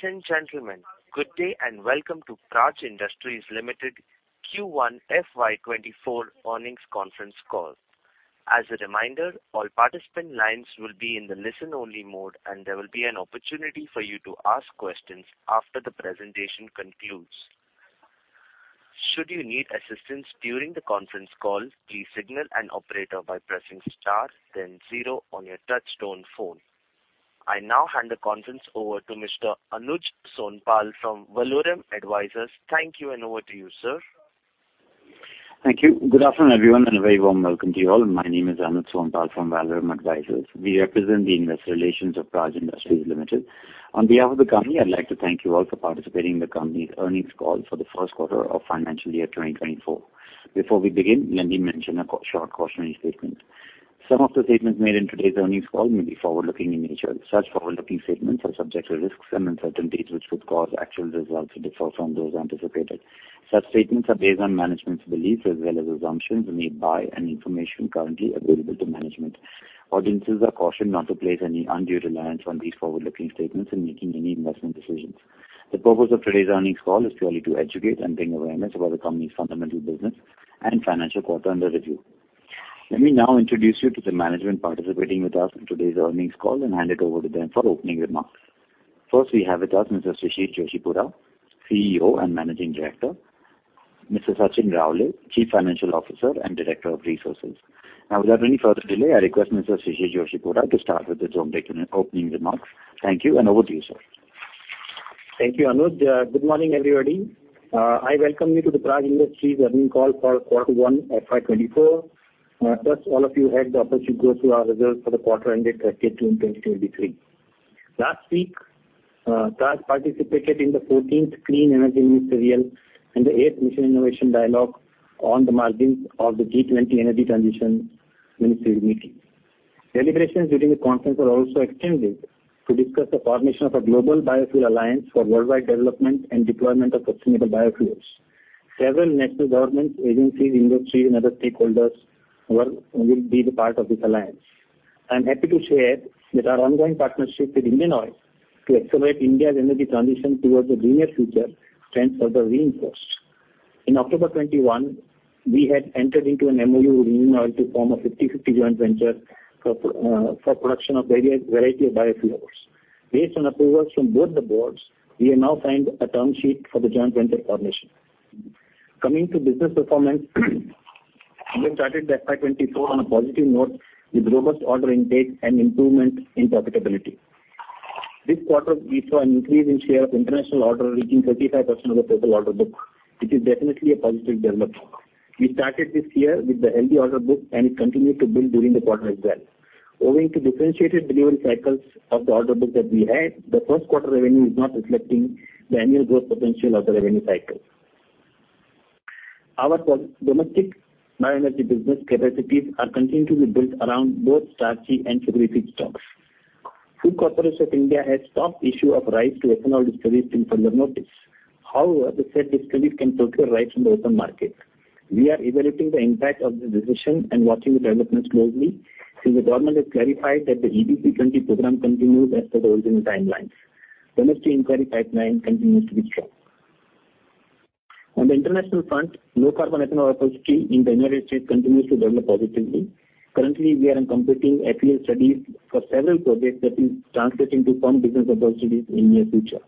Ladies and gentlemen, good day. Welcome to Praj Industries Limited Q1 FY 2024 earnings conference call. As a reminder, all participant lines will be in the listen-only mode. There will be an opportunity for you to ask questions after the presentation concludes. Should you need assistance during the conference call, please signal an operator by pressing star, then zero on your touchtone phone. I now hand the conference over to Mr. Anuj Sonpal from Valorum Advisors. Thank you. Over to you, sir. Thank you. Good afternoon, everyone, and a very warm welcome to you all. My name is Anuj Sonpal from Valorum Advisors. We represent the investor relations of Praj Industries Limited. On behalf of the company, I'd like to thank you all for participating in the company's earnings call for the first quarter of financial year 2024. Before we begin, let me mention a short cautionary statement. Some of the statements made in today's earnings call may be forward-looking in nature. Such forward-looking statements are subject to risks and uncertainties, which would cause actual results to differ from those anticipated. Such statements are based on management's beliefs as well as assumptions made by and information currently available to management. Audiences are cautioned not to place any undue reliance on these forward-looking statements in making any investment decisions. The purpose of today's earnings call is purely to educate and bring awareness about the company's fundamental business and financial quarter under review. Let me now introduce you to the management participating with us in today's earnings call and hand it over to them for opening remarks. First, we have with us Mr. Shishir Joshipura, CEO and Managing Director, Mr. Sachin Raole, Chief Financial Officer and Director of Resources. Now, without any further delay, I request Mr. Shishir Joshipura to start with his opening remarks. Thank you, and over to you, sir. Thank you, Anuj. Good morning, everybody. I welcome you to the Praj Industries earnings call for quarter one, FY 2024. First, all of you had the opportunity to go through our results for the quarter ended June 30, 2023. Last week, Praj participated in the 14th Clean Energy Ministerial and the 8th Mission Innovation Dialogue on the margins of the G20 Energy Transition Ministerial Meeting. Deliberations during the conference were also extended to discuss the formation of a Global Biofuel Alliance for worldwide development and deployment of sustainable biofuels. Several national government agencies, industry, and other stakeholders will be the part of this alliance. I'm happy to share that our ongoing partnership with IndianOil to accelerate India's energy transition towards a greener future stands further reinforced. In October 2021, we had entered into an MOU with IndianOil to form a 50/50 joint venture for production of various varieties of biofuels. Based on approvals from both the boards, we have now signed a term sheet for the joint venture formation. Coming to business performance, we have started the FY 2024 on a positive note, with robust order intake and improvement in profitability. This quarter, we saw an increase in share of international order, reaching 35% of the total order book. It is definitely a positive development. We started this year with the healthy order book, it continued to build during the quarter as well. Owing to differentiated delivery cycles of the order book that we had, the first quarter revenue is not reflecting the annual growth potential of the revenue cycle. Our pro-domestic bioenergy business capacities are continuing to be built around both starchy and sugary feedstock. Food Corporation of India has stopped issue of rice to ethanol distributors till further notice. However, the said distributors can procure rice from the open market. We are evaluating the impact of the decision and watching the development closely, till the government has clarified that the EBP20 program continues as per the original timelines. Domestic inquiry pipeline continues to be strong. On the international front, low carbon ethanol opportunity in the United States continues to develop positively. Currently, we are in completing FEED studies for several projects that will translate into firm business opportunities in near future.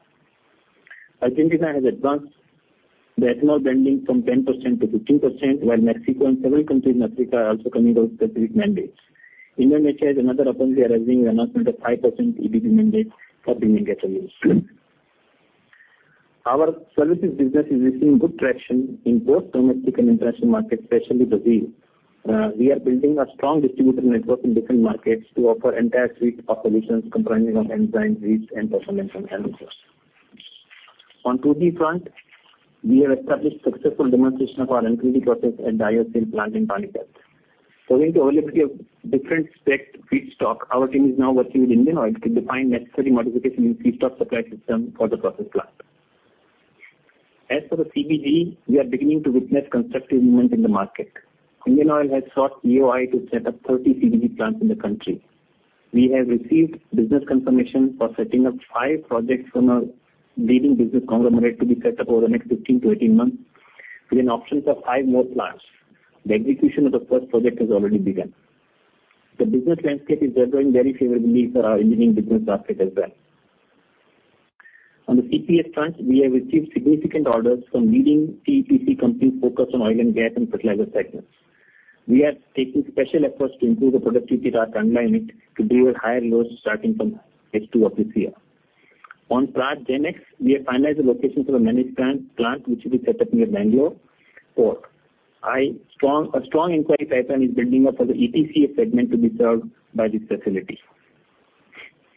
Argentina has advanced the ethanol blending from 10% to 15%, while Mexico and several countries in Africa are also coming out with specific mandates. Indonesia has another opportunity arising in announcement of 5% EBP mandate for blending ethanol use. Our services business is receiving good traction in both domestic and international markets, especially Brazil. We are building a strong distributor network in different markets to offer entire suite of solutions comprising of enzymes, yeast, and performance enhancers. On 2G -front, we have established successful demonstration of our enPriz process at Diosil plant in Panama. Owing to availability of different spec feedstock, our team is now working with IndianOil to define necessary modification in feedstock supply system for the process plant. As for the CBG, we are beginning to witness constructive movement in the market. IndianOil has sought EOI to set up 30 CBG plants in the country. We have received business confirmation for setting up 5 projects from a leading business conglomerate to be set up over the next 15 to 18 months, with an option of five more plants. The execution of the first project has already begun. The business landscape is undergoing very favorably for our engineering business basket as well. On the CPS front, we have received significant orders from leading PEPC companies focused on oil and gas and fertilizer segments. We are taking special efforts to improve the productivity of our Kandla unit to deal with higher loads starting from H2 of this year. On Praj GenX, we have finalized the location for the manufacturing plant, which will be set up near Bangalore. A strong inquiry pipeline is building up for the ETCS segment to be served by this facility.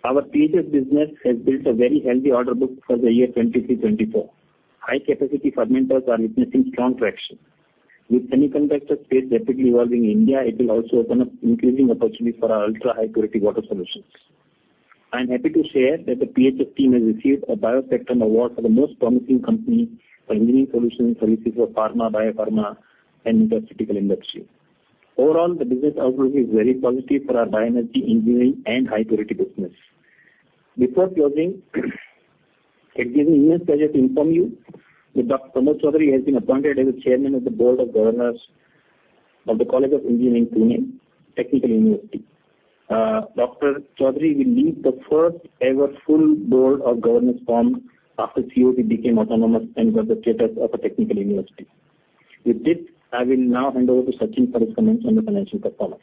Our PHS business has built a very healthy order book for the year 2023, 2024. High-capacity fermenters are witnessing strong traction. With the semiconductor space rapidly evolving in India, it will also open up increasing opportunities for our ultra-high purity water solutions. I am happy to share that the PHS team has received a BioSpectrum Award for the most promising company for engineering solution services for pharma, biopharma, and pharmaceutical industry. Overall, the business outlook is very positive for our bioenergy, engineering, and high purity business. Before closing, it gives me immense pleasure to inform you that Dr. Pramod Chaudhari has been appointed as the Chairman of the Board of Governors of the College of Engineering Pune Technological University. Dr. Chaudhari will lead the first-ever full Board of Governors formed after COEP became autonomous and got the status of a technical university. With this, I will now hand over to Sachin for his comments on the financial performance.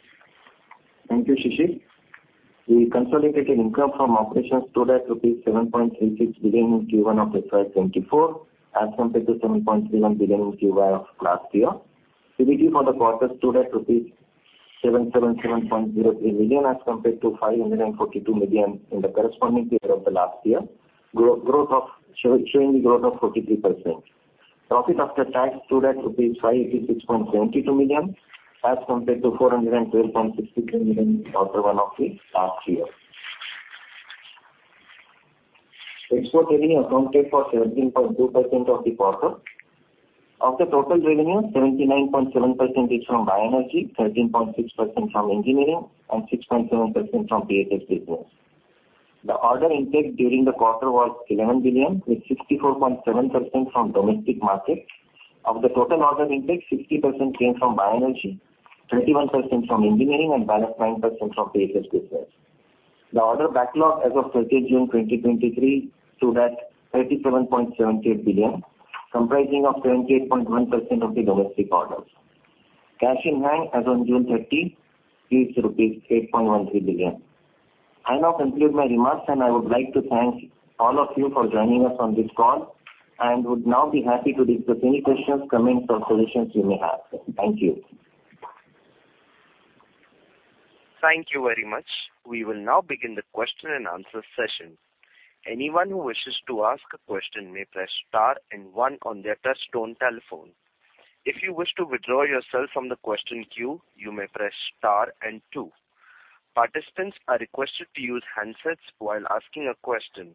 Thank you, Shishir. The consolidated income from operations stood at rupees 7.36 billion in Q1 of FY 2024, as compared to 7.31 billion in Q1 of last year. PBT for the quarter stood at rupees 777.03 million, as compared to 542 million in the corresponding period of the last year, showing growth of 43%. Profit after tax stood at 586.72 million, as compared to INR 412.62 million in quarter one of the last year. Export revenue accounted for 13.2% of the quarter. Of the total revenue, 79.7% is from bioenergy, 13.6% from engineering, and 6.7% from PHS business. The order intake during the quarter was 11 billion, with 64.7% from domestic market. Of the total order intake, 60% came from bioenergy, 31% from engineering, and balance 9% from PHS business. The order backlog as of June 30, 2023, stood at 37.78 billion, comprising of 28.1% of the international orders. Cash in hand as on June 30, is rupees 8.13 billion. I now conclude my remarks, and I would like to thank all of you for joining us on this call, and would now be happy to discuss any questions, comments, or solutions you may have. Thank you. Thank you very much. We will now begin the question and answer session. Anyone who wishes to ask a question may press star 1 on their touchtone telephone. If you wish to withdraw yourself from the question queue, you may press star two. Participants are requested to use handsets while asking a question.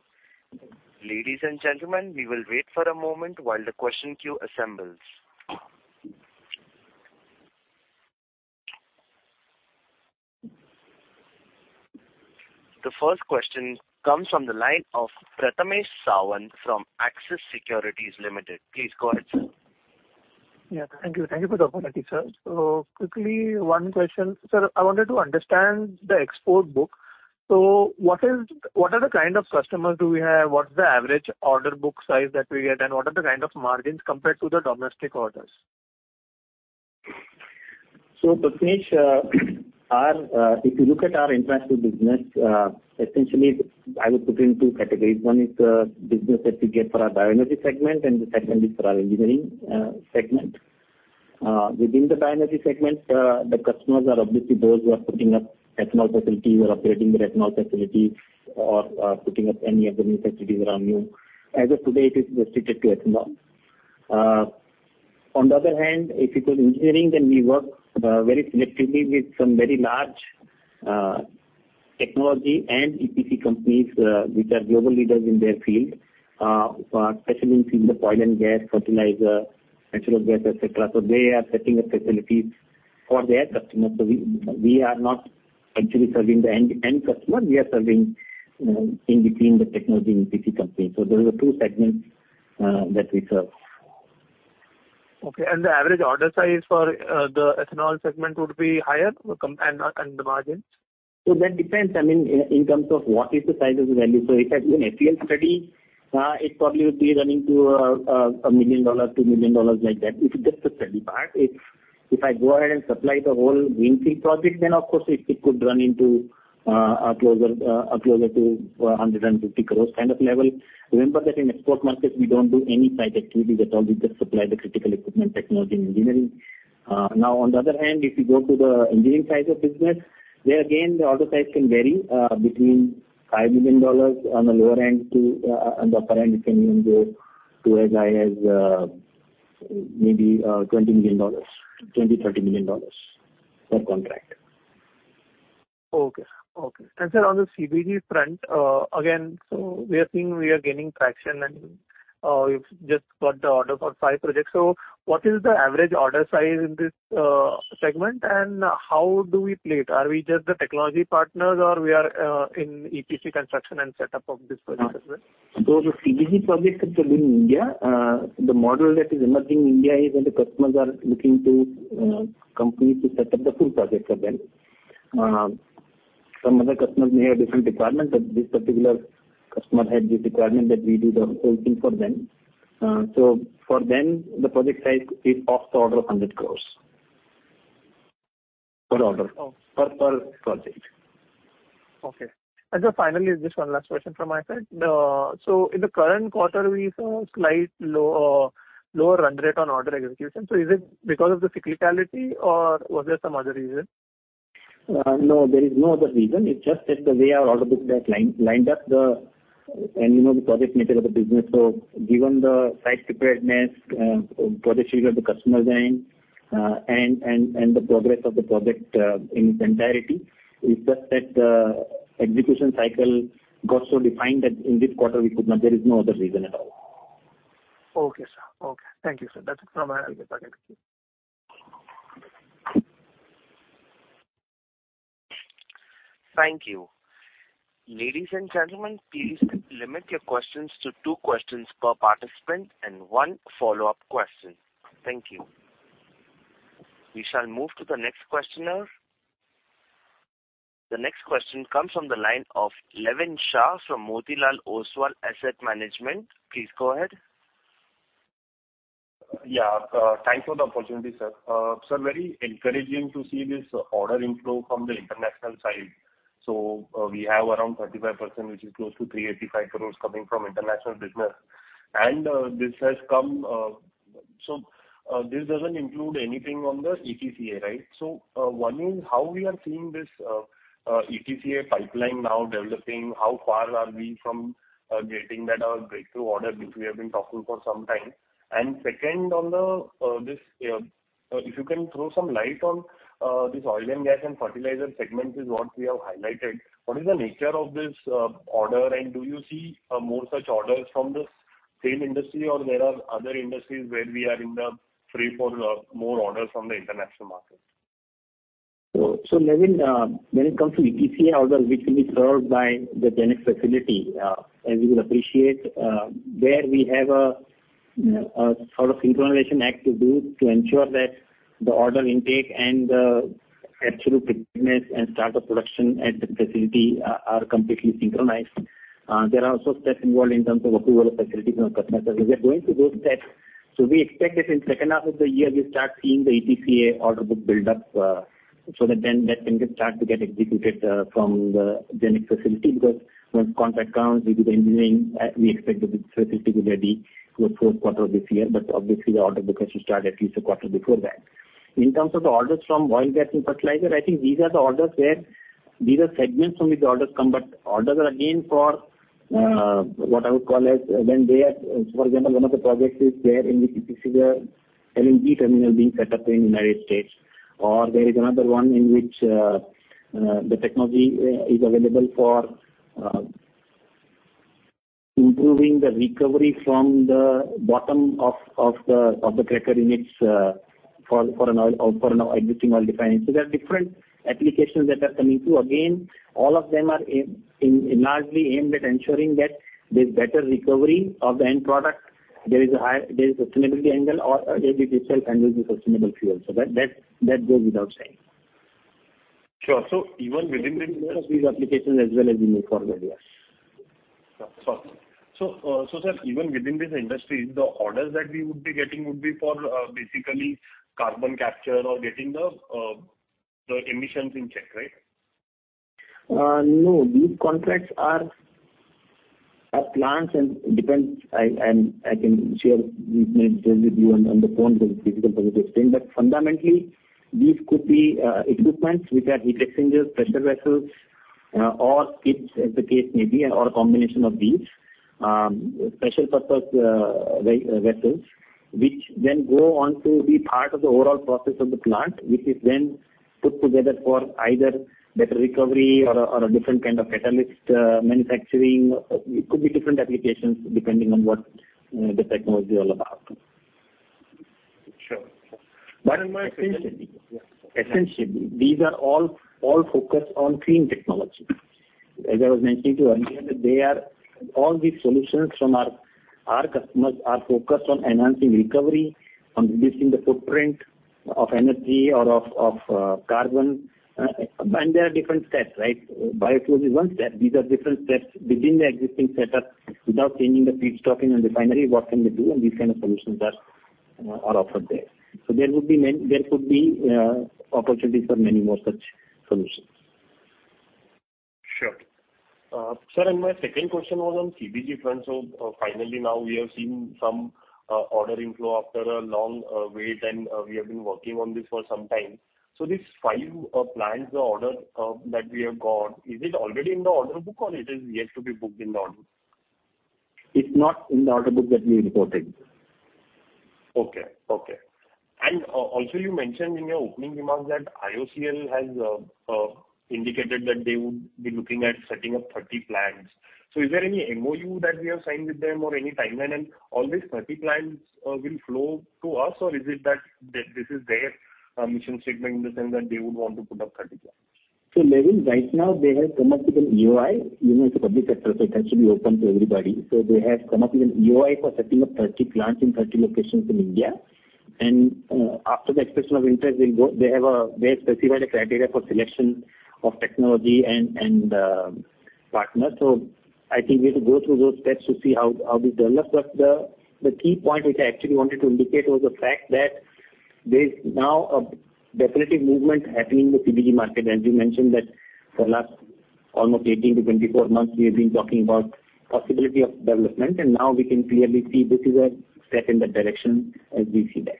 Ladies and gentlemen, we will wait for a moment while the question queue assembles. The first question comes from the line of Prathamesh Sawant from Axis Securities Limited. Please go ahead, sir. Yeah. Thank you. Thank you for the opportunity, sir. Quickly, one question: Sir, I wanted to understand the export book. What are the kind of customers do we have? What's the average order book size that we get, and what are the kind of margins compared to the domestic orders? Prathamesh, our, if you look at our industrial business, essentially I would put it in two categories. One is business that we get for our bioenergy segment, and the second is for our engineering segment. Within the bioenergy segment, the customers are obviously those who are putting up ethanol facilities or upgrading their ethanol facilities, or putting up any of the new facilities around you. As of today, it is restricted to ethanol. On the other hand, if it was engineering, then we work very selectively with some very large technology and EPC companies, which are global leaders in their field, for specialists in the oil and gas, fertilizer, natural gas, et cetera. They are setting up facilities for their customers. We are not actually serving the end customer. We are serving, in between the technology and EPC company. Those are two segments, that we serve. Okay. The average order size for the ethanol segment would be higher and the margins? That depends, I mean, in terms of what is the size of the value. If it's an FEL study, it probably would be running to $1 million, $2 million, like that. It's just the study part. If I go ahead and supply the whole greenfield project, then of course it could run into a closer to 150 crores kind of level. Remember that in export markets, we don't do any site activity at all. We just supply the critical equipment, technology, and engineering. On the other hand, if you go to the engineering side of business, there again, the order size can vary between $5 million on the lower end to on the upper end, it can even go to as high as maybe $20 million, $20 million-$30 million per contract. Okay. Okay. Sir, on the CBG front, again, we are gaining traction, you've just got the order for 5 projects. What is the average order size in this segment, and how do we play it? Are we just the technology partners or we are in EPC construction and setup of this project as well? The CBG projects are still in India. The model that is emerging in India is when the customers are looking to companies to set up the full project for them. Some other customers may have different requirements, but this particular customer had the requirement that we do the whole thing for them. For them, the project size is of the order of 100 crores. Oh. Per project. Okay. Just finally, just one last question from my side. In the current quarter, we saw a lower run rate on order execution. Is it because of the cyclicality or was there some other reason? No, there is no other reason. It's just that the way our order book got lined up the. You know the project nature of the business. Given the site preparedness, project schedule of the customer then, and the progress of the project, in its entirety, it's just that the execution cycle got so defined that in this quarter we could not. There is no other reason at all. Okay, sir. Okay. Thank you, sir. That's it from my end. I'll get back to you. Thank you. Ladies and gentlemen, please limit your questions to two questions per participant and one follow-up question. Thank you. We shall move to the next questioner. The next question comes from the line of Levin Shah from Value Quest. Please go ahead. Thanks for the opportunity, sir. Very encouraging to see this order inflow from the international side. We have around 35%, which is close to 385 crores coming from international business. This has come, this doesn't include anything on the ETCA, right? One is, how we are seeing this ETCA pipeline now developing, how far are we from getting that breakthrough order, which we have been talking for some time? Second, on this, if you can throw some light on this oil and gas and fertilizer segment is what we have highlighted. What is the nature of this order, and do you see more such orders from the same industry, or there are other industries where we are in the free for more orders from the international market? Levin, when it comes to ETCA order, which will be served by the GenX facility, as you will appreciate, there we have a sort of synchronization act to do to ensure that the order intake and the absolute business and start of production at the facility are completely synchronized. There are also steps involved in terms of approval of facilities and customers. We are going through those steps. We expect that in second half of the year, we start seeing the ETCA order book build up, so that then that can get start to get executed from the GenX facility. Once contract comes, we do the engineering, we expect the facility to be ready for fourth quarter of this year, but obviously, the order book has to start at least a quarter before that. In terms of the orders from oil, gas and fertilizer, I think these are the orders where these are segments from which the orders come, orders are again for what I would call as. For example, one of the projects is there in which it is where LNG terminal being set up in United States, or there is another one in which the technology is available for improving the recovery from the bottom of the cracker units for an existing oil refinery. There are different applications that are coming through. All of them are largely aimed at ensuring that there's better recovery of the end product. There is a sustainability angle, or it itself handles the sustainable fuel. That goes without saying. Sure. even within These applications as well as we move forward, yes. Sorry. Sir, even within this industry, the orders that we would be getting would be for basically carbon capture or getting the emissions in check, right? No, these contracts are plants and depends. I can share with you on the phone the physical positive thing. Fundamentally, these could be equipment which are heat exchangers, pressure vessels, or skids, as the case may be, or a combination of these. Special purpose vessels, which then go on to be part of the overall process of the plant, which is then put together for either better recovery or a different kind of catalyst manufacturing. It could be different applications, depending on what the technology is all about. Sure. Essentially, these are all focused on clean technology. As I was mentioning to you earlier, that they are. All these solutions from our customers are focused on enhancing recovery, on reducing the footprint of energy or of carbon. There are different steps, right? Biofuel is one step. These are different steps within the existing setup. Without changing the feedstock in a refinery, what can we do? These kind of solutions are offered there. There would be many. There could be opportunities for many more such solutions. Sure. Sir, my second question was on CBG front. Finally now we have seen some order inflow after a long wait, and we have been working on this for some time. This 5 plants, the order that we have got, is it already in the order book or it is yet to be booked in the order? It's not in the order book that we reported. Okay, okay. Also, you mentioned in your opening remarks that IOCL has indicated that they would be looking at setting up 30 plants. Is there any MOU that we have signed with them or any timeline? All these 30 plants will flow to us, or is it that this is their mission statement in the sense that they would want to put up 30 plants? Levin, right now, they have come up with an EOI, you know, it's a public sector, so it has to be open to everybody. They have come up with an EOI for setting up 30 plants in 30 locations in India. After the expression of interest, we'll go. They have specified a criteria for selection of technology and partner. I think we have to go through those steps to see how they develop. The key point, which I actually wanted to indicate, was the fact that there's now a definitive movement happening in the CBG market. You mentioned that for the last almost 18-24 months, we have been talking about possibility of development, and now we can clearly see this is a step in that direction as we see that.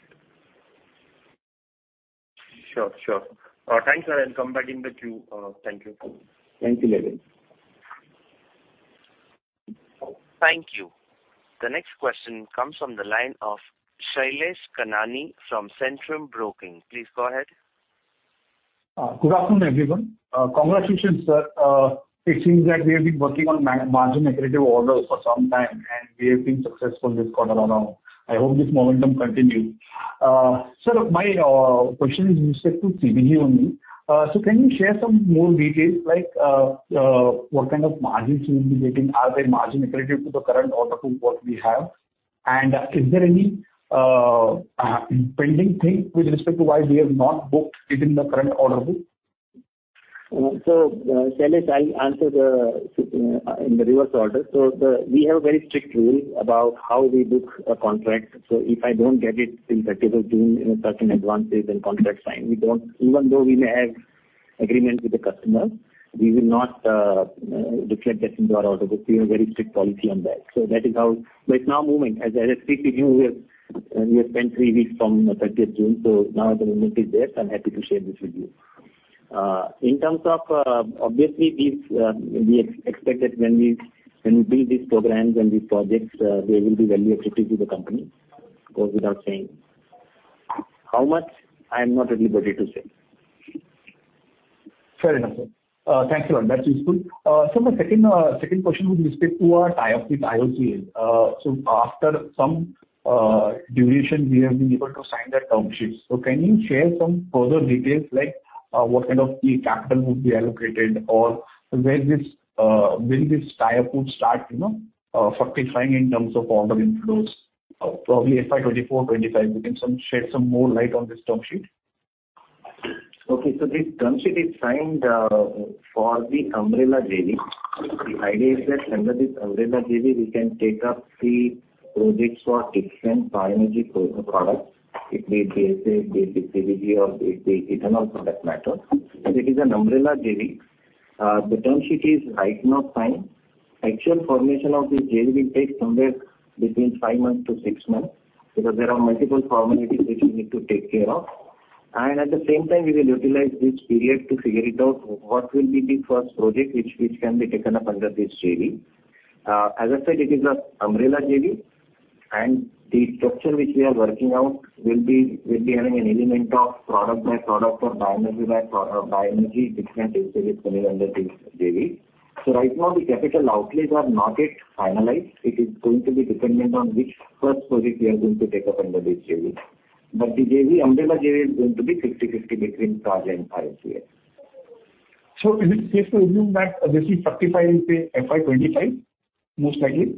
Sure. Thanks, sir. I'll come back in the queue. Thank you. Thank you, Levin. Thank you. The next question comes from the line of Shailesh Kanani from Centrum Broking. Please go ahead. Good afternoon, everyone. Congratulations, sir. It seems that we have been working on margin accretive orders for some time, and we have been successful this quarter around. I hope this momentum continues. Sir, my question is with respect to CBG only. Can you share some more details, like, what kind of margins you will be getting? Are they margin accretive to the current order book what we have? Is there any pending thing with respect to why we have not booked within the current order book? Shailesh, I'll answer the in the reverse order. We have a very strict rule about how we book a contract. If I don't get it till 30 of June in a certain advances and contract sign, we don't Even though we may have agreement with the customer, we will not reflect that into our order book. We have a very strict policy on that. That is how. It's now moving. As I said, speaking, we have spent three weeks from 30 of June, so now the limit is there, so I'm happy to share this with you. In terms of, obviously, these, we expect that when we, when we build these programs and these projects, they will be value accretive to the company. Goes without saying. How much? I am not at liberty to say. Fair enough, sir. thank you a lot. That's useful. The second question with respect to our tie-up with IOCL. After some duration, we have been able to sign the term sheets. Can you share some further details, like, what kind of key capital would be allocated, or where this, will this tie-up would start, you know, fructifying in terms of order inflows? Probably FY 2024, FY 2025, you can some, share some more light on this term sheet? This term sheet is signed for the umbrella JV. The idea is that under this umbrella JV, we can take up the projects for different bioenergy products. It be it the CBG or be it the ethanol product matter. As it is an umbrella JV, the term sheet is right now signed. Actual formation of this JV will take somewhere between five months to six months, because there are multiple formalities which we need to take care of. At the same time, we will utilize this period to figure it out, what will be the first project which can be taken up under this JV. As I said, it is a umbrella JV. The structure which we are working out will be having an element of product by product or bioenergy, different activities coming under this JV. Right now, the capital outlays are not yet finalized. It is going to be dependent on which first project we are going to take up under this JV. The JV, umbrella JV, is going to be 60-50 between Praj and IOCL. In this case, we review that, obviously, fructify in say FY 2025, most likely?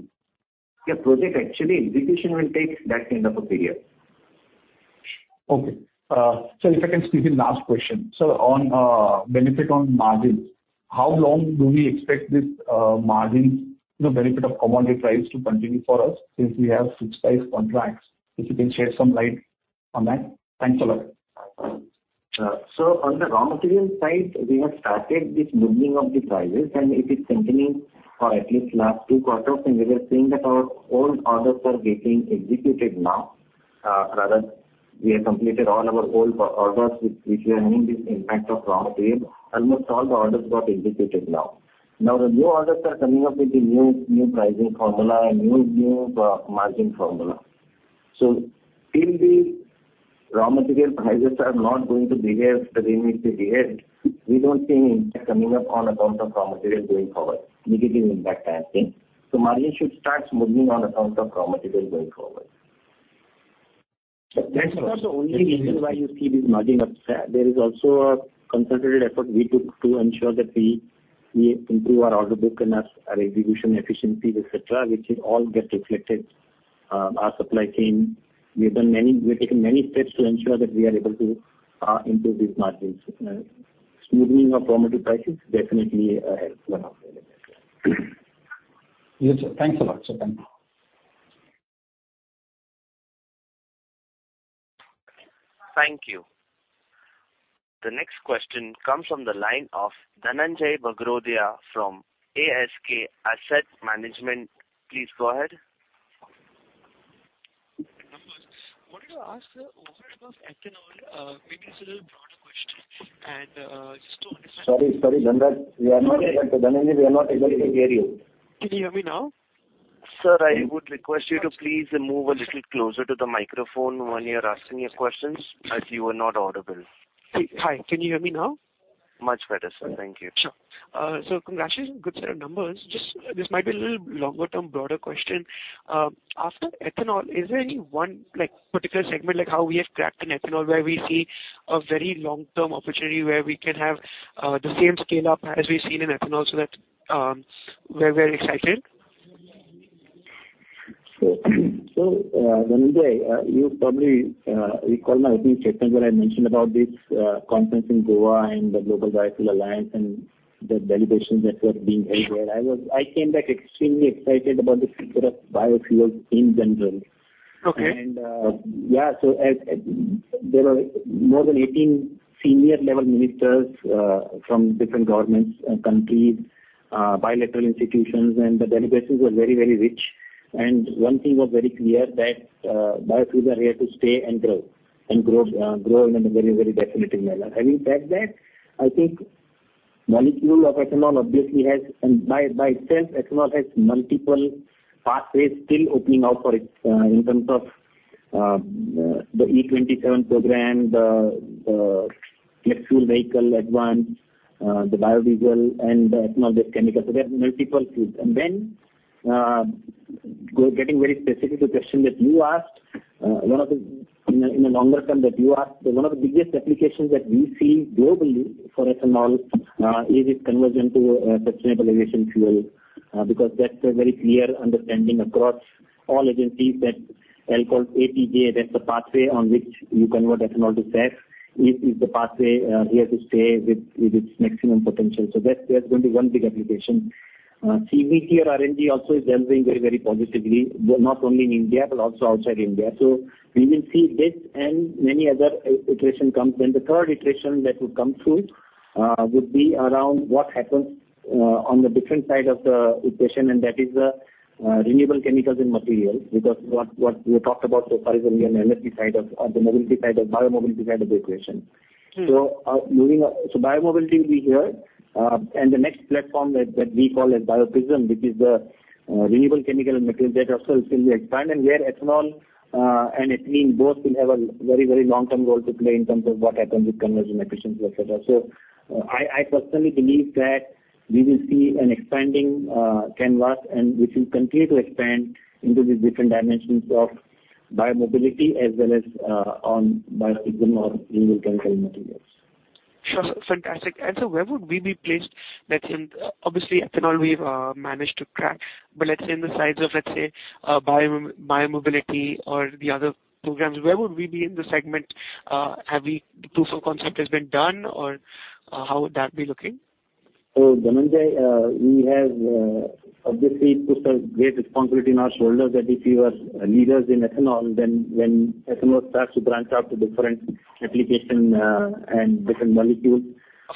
Yeah, project actually execution will take that kind of a period. Okay. If I can squeeze in last question. Sir, on benefit on margins, how long do we expect this margin, you know, benefit of commodity prices to continue for us since we have fixed price contracts? If you can share some light on that. Thanks a lot. On the raw material side, we have started this moving of the prices, it is continuing for at least last 2 quarters. We are saying that our old orders are getting executed now, rather we have completed all our old orders which were having this impact of raw material. Almost all the orders got executed now. The new orders are coming up with the new pricing formula and new margin formula. Till the raw material prices are not going to behave the way they need to behave, we don't see any impact coming up on account of raw material going forward, negative impact, I think. Margin should start moving on accounts of raw material going forward. Thanks a lot. That's not the only reason why you see this margin upset. There is also a concentrated effort we took to ensure that we improve our order book and our execution efficiencies, et cetera, which is all get reflected, our supply chain. We have taken many steps to ensure that we are able to improve these margins. Smoothing of raw material prices definitely helps a lot. Yes, sir. Thanks a lot, sir. Thank you. Thank you. The next question comes from the line of Dhananjai Bagrodia from Alchemy Capital Management. Please go ahead. Wanted to ask, sir, over and above ethanol, maybe it's a little broader question. Sorry, Dhanraj. Dhananjai, we are not able to hear you. Can you hear me now? Sir, I would request you to please move a little closer to the microphone when you are asking your questions, as you are not audible. Hi. Can you hear me now? Much better, sir. Thank you. Sure. Congratulations. Good set of numbers. Just this might be a little longer-term, broader question. After ethanol, is there any one, like, particular segment, like how we have cracked in ethanol, where we see a very long-term opportunity where we can have, the same scale up as we've seen in ethanol, so that, we're very excited? Dhananjay, you probably recall my opening statements where I mentioned about this conference in Goa and the Global Biofuel Alliance and the delegations that were being held there. I came back extremely excited about the future of biofuels in general. Okay. Yeah, there were more than 18 senior level ministers from different governments, countries, bilateral institutions, and the delegations were very, very rich. One thing was very clear that biofuels are here to stay and grow in a very, very definitive manner. Having said that, I think molecule of ethanol obviously has, and by itself, ethanol has multiple pathways still opening out for it, in terms of the E27 program, the flex fuel vehicle advance, the biodiesel and the ethanol-based chemicals. So there are multiple routes. Then, getting very specific to the question that you asked, in the longer term that you asked, one of the biggest applications that we see globally for ethanol is its conversion to sustainable aviation fuel. That's a very clear understanding across all agencies that alcohol ATJ, that's the pathway on which you convert ethanol to SAF, is the pathway here to stay with its maximum potential. That's going to be one big application. PBT or R&D also is developing very positively, not only in India, but also outside India. We will see this and many other iteration comes. The third iteration that would come through would be around what happens on the different side of the equation, that is the renewable chemicals and materials. What we talked about so far is only an MSP side of, or the mobility side of, Bio-Mobility side of the equation. Mm. Moving on. Bio-Mobility will be here, and the next platform that we call as Bio-Prism, which is the renewable chemical and material that also will be expanded, where ethanol and ethylene both will have a very, very long-term role to play in terms of what happens with conversion, efficiency, et cetera. I personally believe that we will see an expanding canvas, and which will continue to expand into the different dimensions of Bio-Mobility as well as on Bio-Prism or renewable chemical materials. Sure. Fantastic. Where would we be placed? Let's say, obviously, ethanol we've managed to crack, but let's say in the sides of, let's say, Bio-Mobility or the other programs, where would we be in the segment? The proof of concept has been done, or how would that be looking? Dhananjay, we have obviously put a great responsibility on our shoulders, that if we were leaders in ethanol, then when ethanol starts to branch out to different application and different molecules.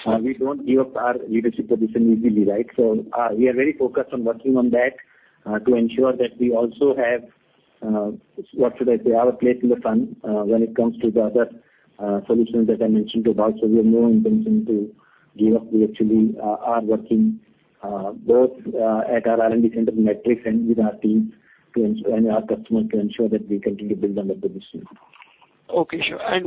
Sure. We don't give up our leadership position easily, right? We are very focused on working on that to ensure that we also have, what should I say? Our place in the sun, when it comes to the other solutions that I mentioned about. We have no intention to give up. We actually, are working, both at our R&D center Praj Matrix and with our team to ensure, and our customers, to ensure that we continue to build on that position. Okay, sure. Is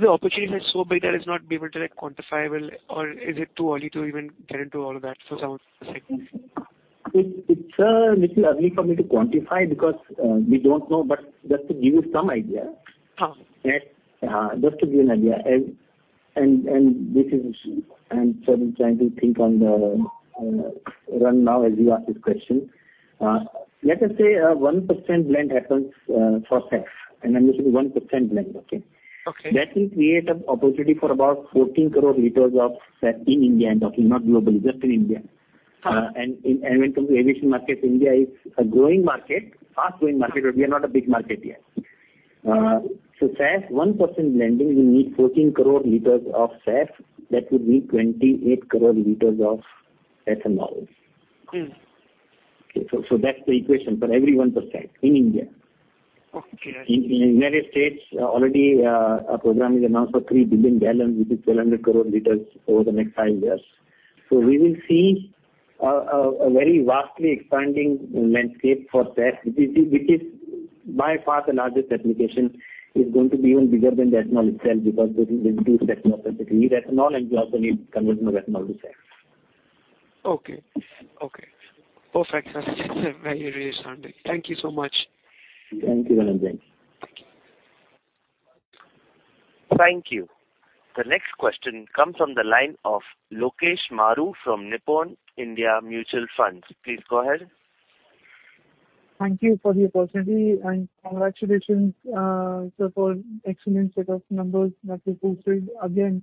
the opportunity so big that it's not be able to, like, quantifiable, or is it too early to even get into all of that, so sound like? It's little early for me to quantify because we don't know. Just to give you some idea- Uh. Just to give you an idea, and this is, I'm trying to think on the run now as you ask this question. Let us say, 1% blend happens for SAF, and I'm looking 1% blend, okay? Okay. That will create an opportunity for about 14 crore liters of SAF in India and talking, not globally, just in India. Uh. When it comes to aviation market, India is a growing market, fast-growing market, but we are not a big market yet. Uh. SAF, 1% blending, we need 14 crore liters of SAF. That would be 28 crore liters of ethanol. Mm. That's the equation for every 1% in India. Okay. In United States, already, a program is announced for 3 billion gallons, which is 1,200 crore liters over the next five years. We will see a very vastly expanding landscape for SAF, which is by far the largest application, is going to be even bigger than the ethanol itself, because with the two sets, you need ethanol, and you also need conversion of ethanol to SAF. Okay. Okay. Perfect, sir. Very reassuring. Thank you so much. Thank you, Dhananjai. Thank you. Thank you. The next question comes from the line of Lokesh Maru from Nippon India Mutual Fund. Please go ahead. Thank you for the opportunity. Congratulations, sir, for an excellent set of numbers that you posted again.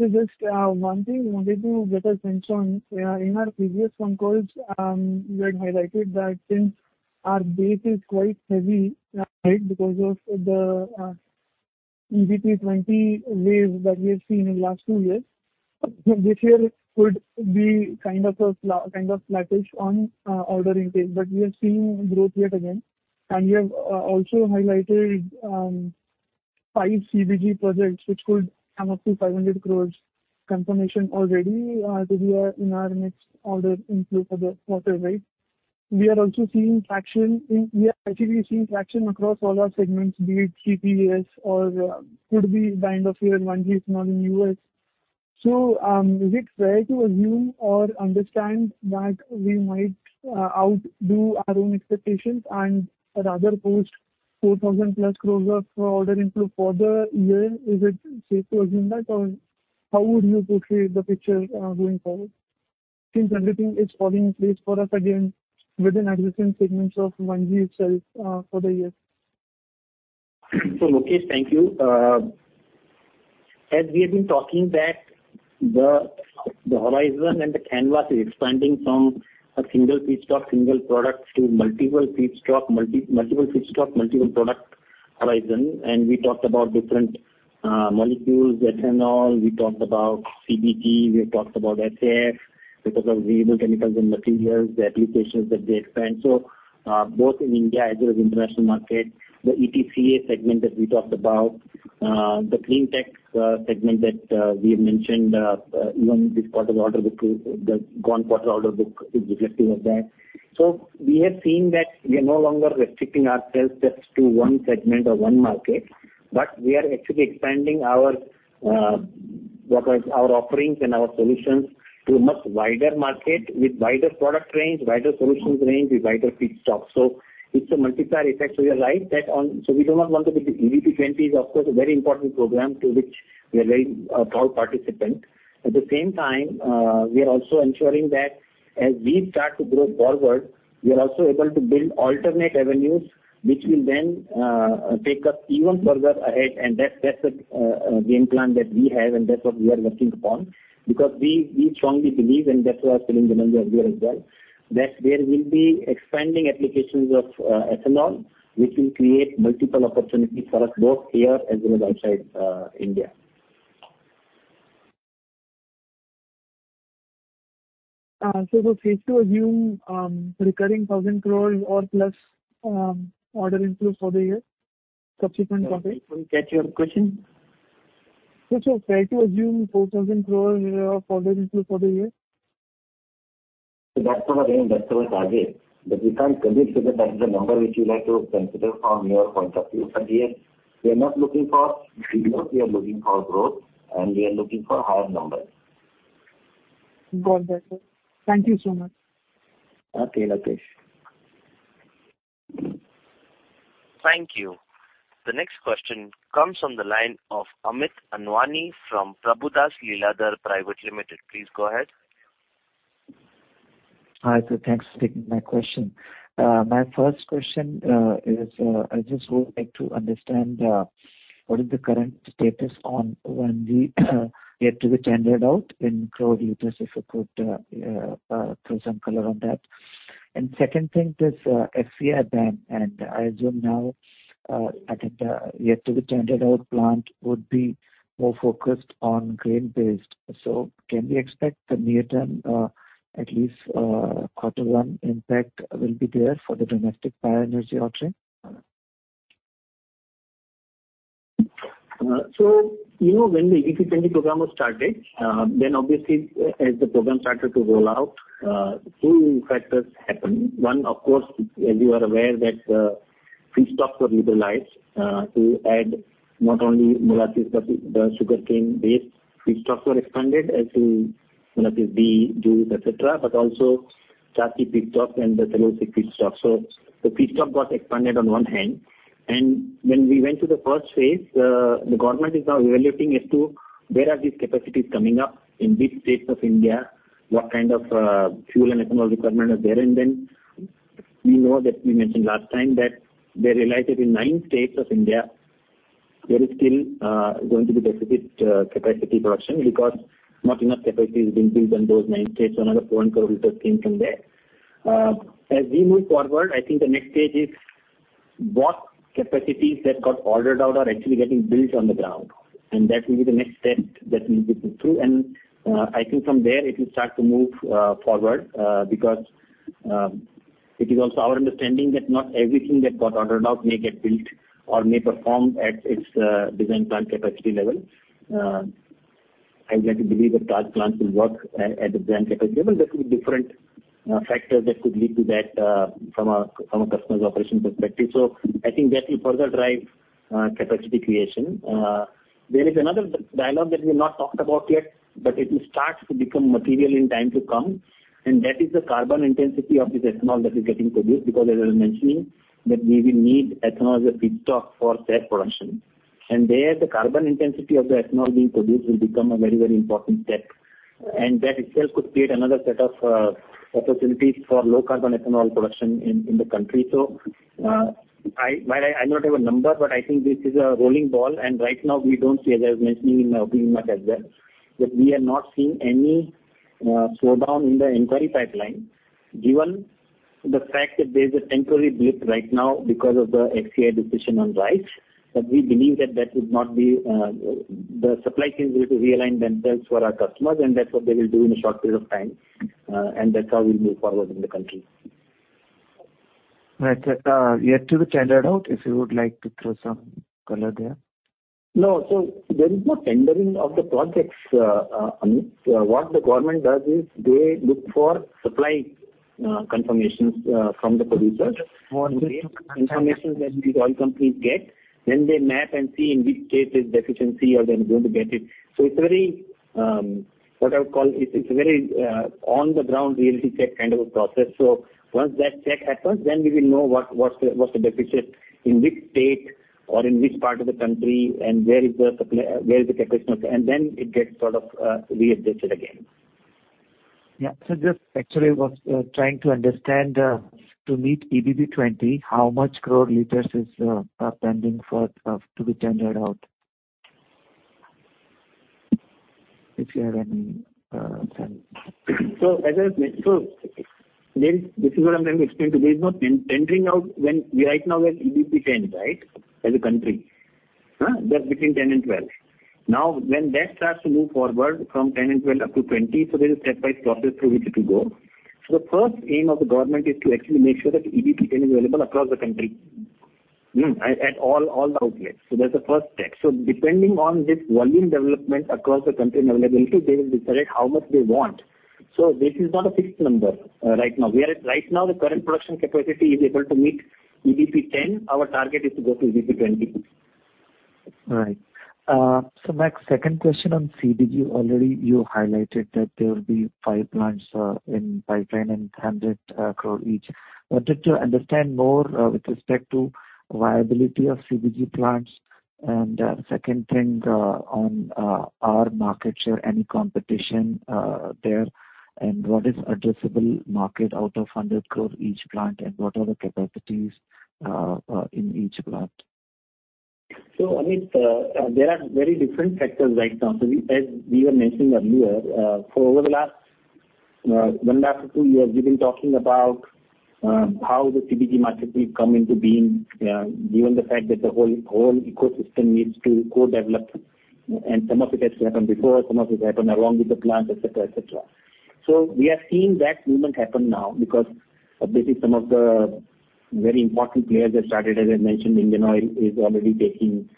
Just one thing wanted to get a sense on, in our previous concall, you had highlighted that since our base is quite heavy, right, because of the EBP20 wave that we have seen in the last two years. This year could be kind of flattish on order intake. We are seeing growth yet again. You have also highlighted five CBG projects, which could come up to 500 crore confirmation already to be in our next order inflow for the quarter, right? We are actually seeing traction across all our segments, be it G-PAS or could be the end of year, 1G small in U.S. is it fair to assume or understand that we might outdo our own expectations and rather post 4,000+ crores of order inflow for the year? Is it safe to assume that, or how would you portray the picture going forward, since everything is falling in place for us again within adjacent segments of 1G itself for the year? Lokesh, thank you. As we have been talking that the horizon and the canvas is expanding from a single feedstock, single product, to multiple feedstock, multiple product horizon. We talked about different molecules, ethanol, we talked about CBG, we have talked about SAF, because of renewable chemicals and materials, the applications that they expand. Both in India as well as international market, the ETCA segment that we talked about, the clean tech segment that we have mentioned, even this quarter order book is the gone quarter order book is reflecting on that. We have seen that we are no longer restricting ourselves just to one segment or one market, but we are actually expanding our offerings and our solutions to a much wider market with wider product range, wider solutions range, with wider feedstock. It's a multiplier effect. You're right, EBP20 is, of course, a very important program to which we are a very proud participant. At the same time, we are also ensuring that as we start to grow forward, we are also able to build alternate avenues which will then take us even further ahead, and that's the plan that we have. That's what we are working upon. We strongly believe, and that's what I was telling earlier as well, that there will be expanding applications of ethanol, which will create multiple opportunities for us, both here as well as outside India. Safe to assume, recurring 1,000 crore or plus, order inflows for the year, subsequent quarter? I couldn't catch your question. Sir, fair to assume 4,000 crore of order inflow for the year? That's our aim, that's our target, we can't commit to that. That is the number which you like to consider from your point of view. Yes, we are not looking for figures, we are looking for growth, and we are looking for higher numbers. Got that, sir. Thank you so much. Okay, Lokesh. Thank you. The next question comes from the line of Amit Anwani from Prabhudas Lilladher Private Limited. Please go ahead. Hi, sir. Thanks for taking my question. My first question is I just would like to understand what is the current status on yet to be tendered out in crore liters, if you could throw some color on that? Second thing, this FCI ban, I assume now I think yet to be tendered out plant would be more focused on grain-based. Can we expect the near term, at least, quarter one impact will be there for the domestic bioenergy offering? you know, when the EBP20 program was started, then obviously, as the program started to roll out, two factors happened. One, of course, as you are aware, that feedstocks were utilized to add not only molasses, but the sugarcane-based feedstocks were expanded as to molasses, B, juice, et cetera, but also chassis feedstock and the cellulosic feedstock. The feedstock got expanded on one hand, and when we went to the first phase, the government is now evaluating as to where are these capacities coming up, in which states of India, what kind of fuel and ethanol requirement is there. We know that we mentioned last time that they realized that in nine states of India, there is still going to be deficit capacity production, because not enough capacity has been built in those nine states. Another 4 crore liters came from there. As we move forward, I think the next stage is what capacities that got ordered out are actually getting built on the ground, and that will be the next step that we need to through. I think from there it will start to move forward because it is also our understanding that not everything that got ordered out may get built or may perform at its design plant capacity level. I'd like to believe that large plants will work at the plant capacity level. There could be different factors that could lead to that from a customer's operations perspective. I think that will further drive capacity creation. There is another dialogue that we have not talked about yet, but it will start to become material in time to come, and that is the carbon intensity of this ethanol that is getting produced, because as I was mentioning, that we will need ethanol as a feedstock for said production. There, the carbon intensity of the ethanol being produced will become a very important step, and that itself could create another set of opportunities for low carbon ethanol production in the country. While I not have a number, but I think this is a rolling ball, and right now we don't see, as I was mentioning in our opening remarks as well, that we are not seeing any slowdown in the inquiry pipeline. Given the fact that there is a temporary blip right now because of the FCI decision on rice, but we believe that that would not be, the supply chains will realign themselves for our customers, and that's what they will do in a short period of time, and that's how we'll move forward in the country. Right. yet to be tendered out, if you would like to throw some color there? No. There is no tendering of the projects, Amit. What the government does is they look for supply confirmations from the producers. Just. Information that these oil companies get, then they map and see in which state is deficiency or they're going to get it. It's very, what I would call, it's very on the ground reality check kind of a process. Once that check happens, then we will know what's the deficit, in which state or in which part of the country, and where is the supply, where is the capacity, then it gets sort of readjusted again. Yeah. Just actually was trying to understand, to meet EBP20, how much crore liters are pending for to be tendered out? If you have any, sorry. As I have said. There, this is what I'm trying to explain to you. There is no tendering out when we right now we are EBP 10, right? As a country. That's between 10 and 12. When that starts to move forward from 10 and 12 up to 20, there is a step-by-step process through which it will go. The first aim of the government is to actually make sure that EBP 10 is available across the country. At all the outlets. That's the first step. Depending on this volume development across the country and availability, they will decide how much they want. This is not a fixed number right now. Right now, the current production capacity is able to meet EBP 10. Our target is to go to EBP 20. All right. My second question on CBG, already you highlighted that there will be 5 plants in pipeline and 100 crore each. I wanted to understand more with respect to viability of CBG plants. Second thing on our market share, any competition there, and what is addressable market out of 100 crore each plant, and what are the capacities in each plant? Amit, there are very different factors right now. We, as we were mentioning earlier, over the last one and a half to two years, we've been talking about how the CBG market will come into being, given the fact that the whole ecosystem needs to co-develop, and some of it has happened before, some of it happened along with the plant, et cetera, et cetera. We are seeing that movement happen now because this is some of the very important players that started. As I mentioned, Indian Oil is already taking,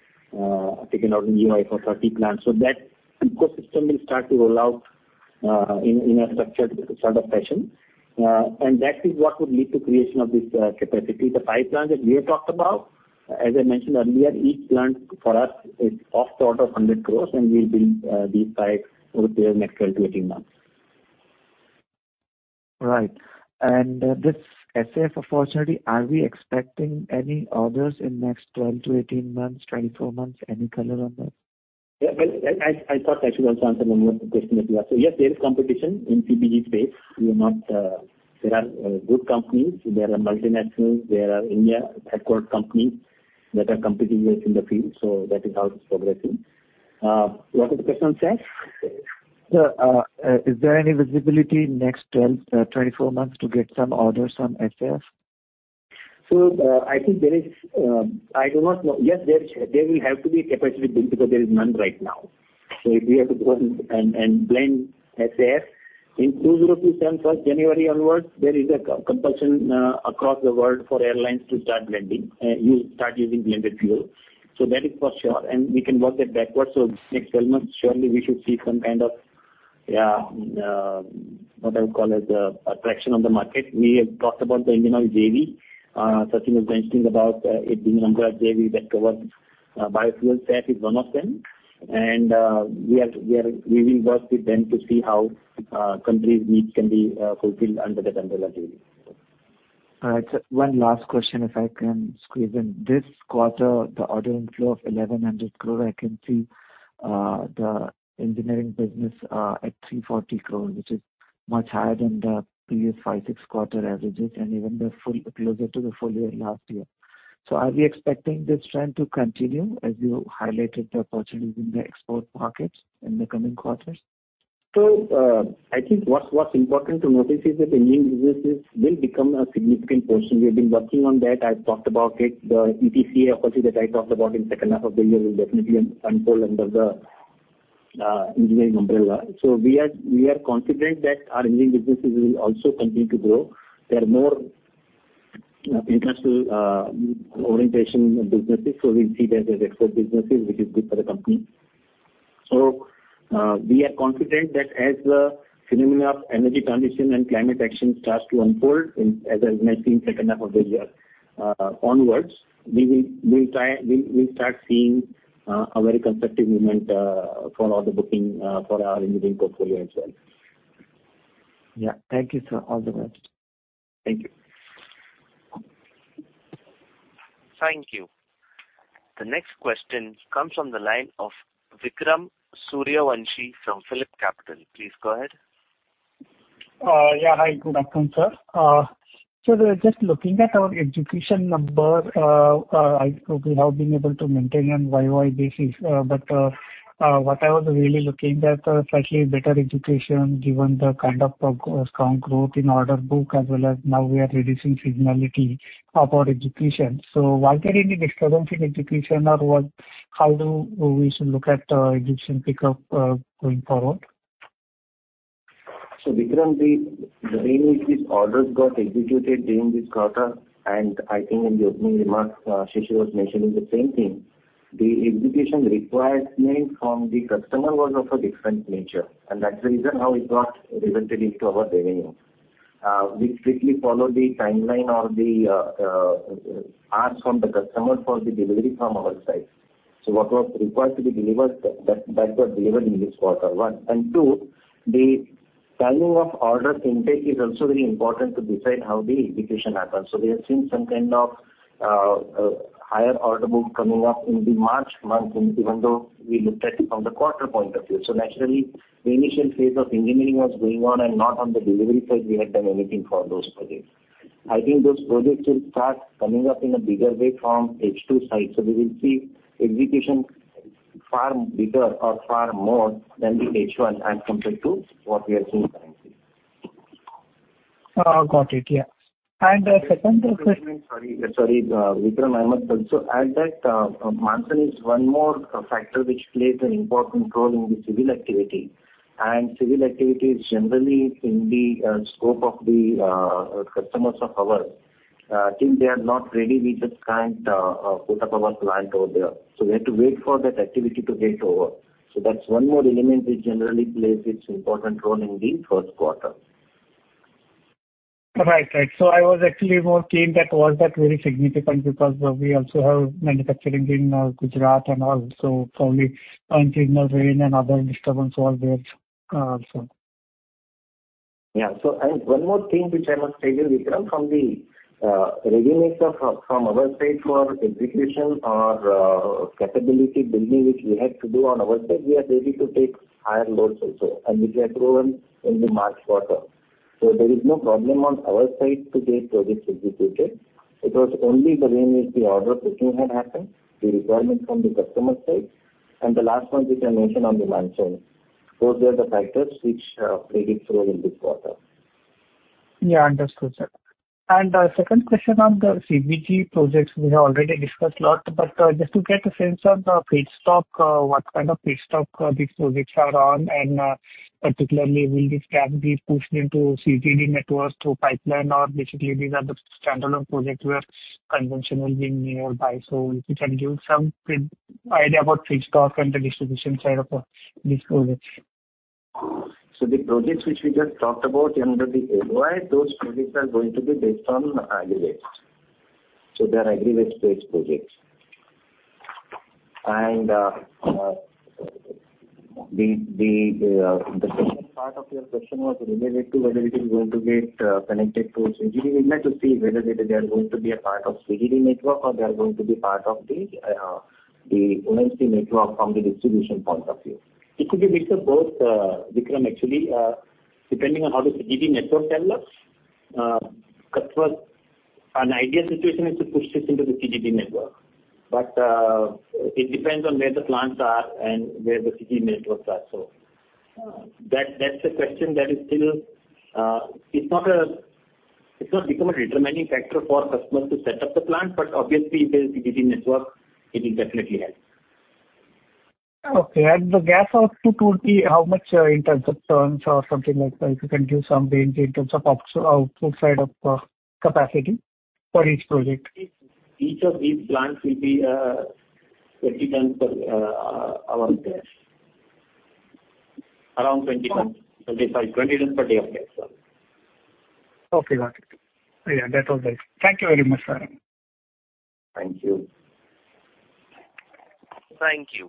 taken out a EOI for 30 plants. That ecosystem will start to roll out in a structured sort of fashion, and that is what would lead to creation of this capacity. The five plants that we have talked about, as I mentioned earlier, each plant for us is of the order of 100 crore, and we'll build these five over there in the next 12-18 months. Right. This SAF, unfortunately, are we expecting any orders in next 12-18 months, 24 months? Any color on that? Well, I thought I should also answer one more question that you asked. Yes, there is competition in CBG space. We are not. There are good companies, there are multinationals, there are India-headquartered companies that are competing with us in the field. That is how it's progressing. What was the question on SAF? Is there any visibility next 12, 24 months to get some orders on SAF? I think there is, I do not know. Yes, there will have to be capacity build because there is none right now. If we have to go and blend SAF, in 2027, 1st January onwards, there is a co- compulsion across the world for airlines to start blending, you start using blended fuel. That is for sure, and we can work that backwards. Next 12 months, surely we should see some kind of what I would call it, a traction on the market. We have talked about the IndianOil JV. Sachin was mentioning about it being a number of JV that covers biofuel. SAF is one of them. We will work with them to see how country's needs can be fulfilled under the umbrella JV. One last question, if I can squeeze in. This quarter, the order inflow of 1,100 crore, I can see the engineering business at 340 crore, which is much higher than the previous 5, 6 quarter averages, and even closer to the full year last year. Are we expecting this trend to continue as you highlighted the opportunities in the export markets in the coming quarters? I think what's important to notice is that the engineering businesses will become a significant portion. We've been working on that. I've talked about it. The ETCA opportunity that I talked about in the second half of the year will definitely unfold under the engineering umbrella. We are confident that our engineering businesses will also continue to grow. They are more industrial orientation businesses, so we see that as export businesses, which is good for the company. We are confident that as the phenomena of Energy Transition and Climate Action starts to unfold as I mentioned, in second half of the year onwards, we'll start seeing a very constructive movement for all the booking for our engineering portfolio as well. Yeah. Thank you, sir. All the best. Thank you. Thank you. The next question comes from the line of Vikram Suryavanshi from PhillipCapital. Please go ahead. Yeah. Hi, good afternoon, sir. Just looking at our execution number, I hope we have been able to maintain on YOY basis, but what I was really looking at, a slightly better execution, given the kind of strong growth in order book, as well as now we are reducing seasonality of our execution. Was there any disturbance in execution, or how do we should look at, execution pickup, going forward? Vikram, the way in which these orders got executed during this quarter, and I think in the opening remarks, Shishu was mentioning the same thing. The execution requirements from the customer was of a different nature, and that's the reason how it got reflected into our revenue. We strictly followed the timeline or the ask from the customer for the delivery from our side. What was required to be delivered, that was delivered in this quarter, one. Two, the timing of orders intake is also very important to decide how the execution happens. We have seen some kind of higher order book coming up in the March month, and even though we looked at it from the quarter point of view. Naturally, the initial phase of engineering was going on, and not on the delivery side, we had done anything for those projects. I think those projects will start coming up in a bigger way from H2 side. We will see execution far bigger or far more than the H1 as compared to what we are seeing right now. Got it. Yeah. The second question. Sorry, Vikram, I must also add that monsoon is one more factor which plays an important role in the civil activity. Civil activity is generally in the scope of the customers of ours. Till they are not ready, we just can't put up our plant over there. We have to wait for that activity to get over. That's one more element which generally plays its important role in the first quarter. Right. I was actually more keen that was that very significant, because we also have manufacturing in Gujarat and also probably untimely rain and other disturbance over there also. One more thing which I must tell you, Vikram, from the readiness from our side for execution or capability building, which we had to do on our side, we are ready to take higher loads also, and which we have grown in the March quarter. There is no problem on our side to get projects executed. It was only the rain is the order which you had happened, the requirement from the customer side, and the last one, which I mentioned on the monsoon. Those are the factors which played its role in this quarter. Yeah, understood, sir. The second question on the CBG projects, we have already discussed a lot, but just to get a sense on the feedstock, what kind of feedstock these projects are on? Particularly, will this can be pushed into CGD network through pipeline, or basically these are the standalone projects where conventional being nearby. If you can give some idea about feedstock and the distribution side of this project. The projects which we just talked about under the LOI, those projects are going to be based on ag waste. They are ag waste-based projects. The second part of your question was related to whether it is going to get connected to CGD network to see whether they are going to be a part of CGD network or they are going to be part of the ONGC network from the distribution point of view. It could be mix of both, Vikram, actually, depending on how the CGD network tells us. Because an ideal situation is to push this into the CGD network, but it depends on where the plants are and where the CG networks are. That's a question that is still... It's not become a determining factor for customers to set up the plant. Obviously, if there is CGD network, it will definitely help. Okay. The gas output would be how much in terms of tons or something like that? If you can give some range in terms of output side of capacity for each project. Each of these plants will be, 20 tons per, hour there. Around 20 tons. Sorry, 20 tons per day of gas. Okay, got it. That's all right. Thank you very much, sir. Thank you. Thank you.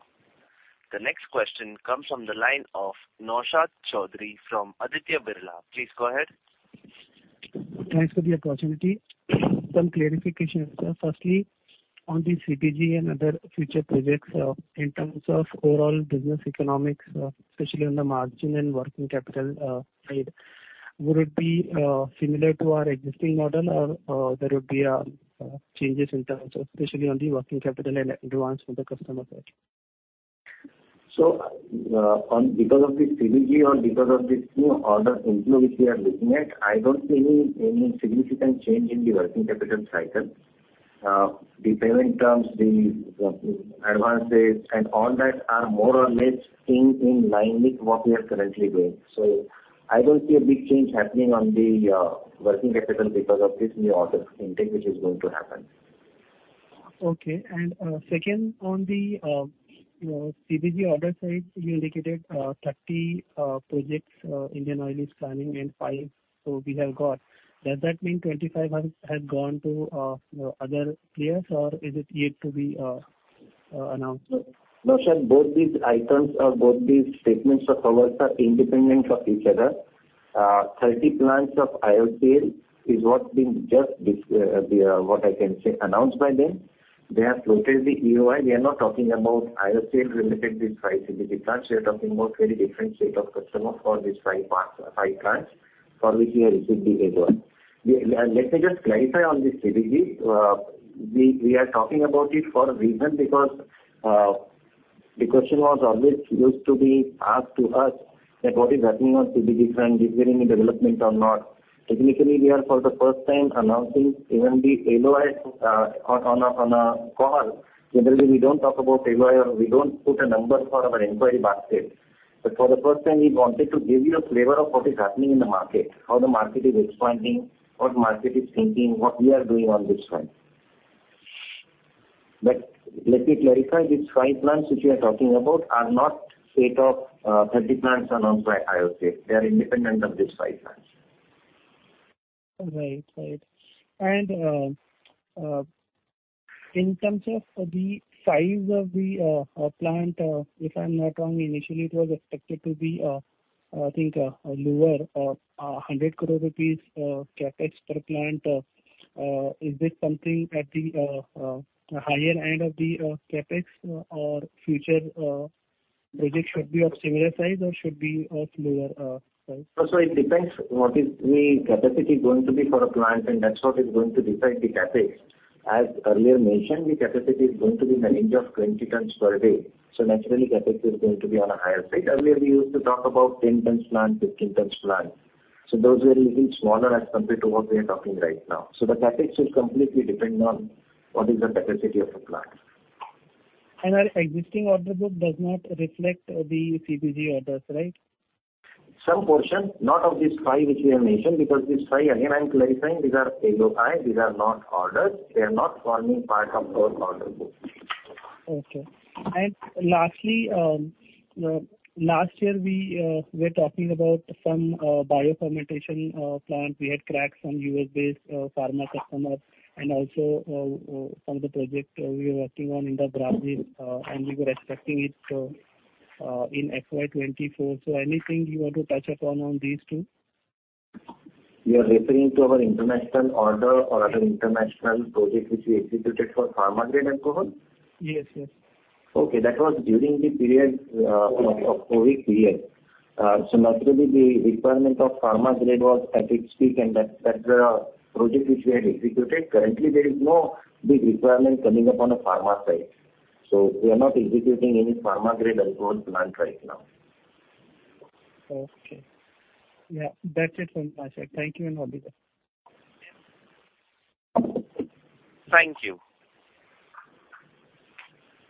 The next question comes from the line of Naushad Chaudhary from Aditya Birla. Please go ahead. Thanks for the opportunity. Some clarification, sir. Firstly, on the CBG and other future projects, in terms of overall business economics, especially on the margin and working capital, side, would it be similar to our existing model, or, there would be changes in terms of especially on the working capital and advance for the customer side? On because of the CBG or because of this new order intake which we are looking at, I don't see any significant change in the working capital cycle. The payment terms, the advances and all that are more or less in line with what we are currently doing. I don't see a big change happening on the working capital because of this new order intake, which is going to happen. Okay. Second, on the CBG order side, you indicated 30 projects Indian Oil is planning and 5, so we have got. Does that mean 25 have gone to other players, or is it yet to be announced? No, sir. Both these items or both these statements of ours are independent of each other. 30 plants of IOCL is what been just, the, what I can say, announced by them. They have floated the EOI. We are not talking about IOCL related with 5 CBG plants. We are talking about very different set of customers for these 5 parts, 5 plants for which we have received the EOI. Let me just clarify on this CBG. We are talking about it for a reason, because, the question was always used to be asked to us that what is happening on CBG front, is there any development or not? Technically, we are for the first time announcing even the LOI, on a, on a call. Generally, we don't talk about LOI, or we don't put a number for our inquiry basket. For the first time, we wanted to give you a flavor of what is happening in the market, how the market is responding, what market is thinking, what we are doing on this front. Let me clarify, these five plants which we are talking about are not set of 30 plants announced by IOC. They are independent of these five plants. Right. Right. In terms of the size of the plant, if I'm not wrong, initially it was expected to be, I think, lower, 100 crore rupees CapEx per plant. Is this something at the higher end of the CapEx? Future project should be of similar size or should be of lower size? It depends what is the capacity going to be for a plant, and that's what is going to decide the CapEx. As earlier mentioned, the capacity is going to be in the range of 20 tons per day, so naturally, CapEx is going to be on a higher side. Earlier, we used to talk about 10 tons plant, 15 tons plant. Those were even smaller as compared to what we are talking right now. The CapEx will completely depend on what is the capacity of the plant. Our existing order book does not reflect the CBG orders, right? Some portion, not of this five which we have mentioned, because this five, again, I'm clarifying, these are MOI, these are not orders. They are not forming part of our order book. Okay. Lastly, last year, we were talking about some bio fermentation plant. We had cracked some U.S.-based pharma customer, and also, some of the project we were working on in the Brazil, and we were expecting it in FY 2024. Anything you want to touch upon on these two? You are referring to our international order or other international project which we executed for pharma grade alcohol? Yes, yes. Okay. That was during the period of COVID period. Naturally, the requirement of pharma grade was at its peak, and that project which we had executed, currently there is no big requirement coming up on the pharma side. We are not executing any pharma grade alcohol plant right now. Okay. Yeah, that's it from my side. Thank you, and have a good day. Thank you.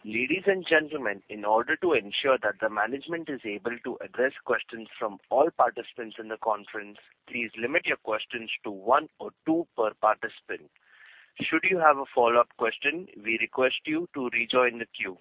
Ladies and gentlemen, in order to ensure that the management is able to address questions from all participants in the conference, please limit your questions to one or two per participant. Should you have a follow-up question, we request you to rejoin the queue.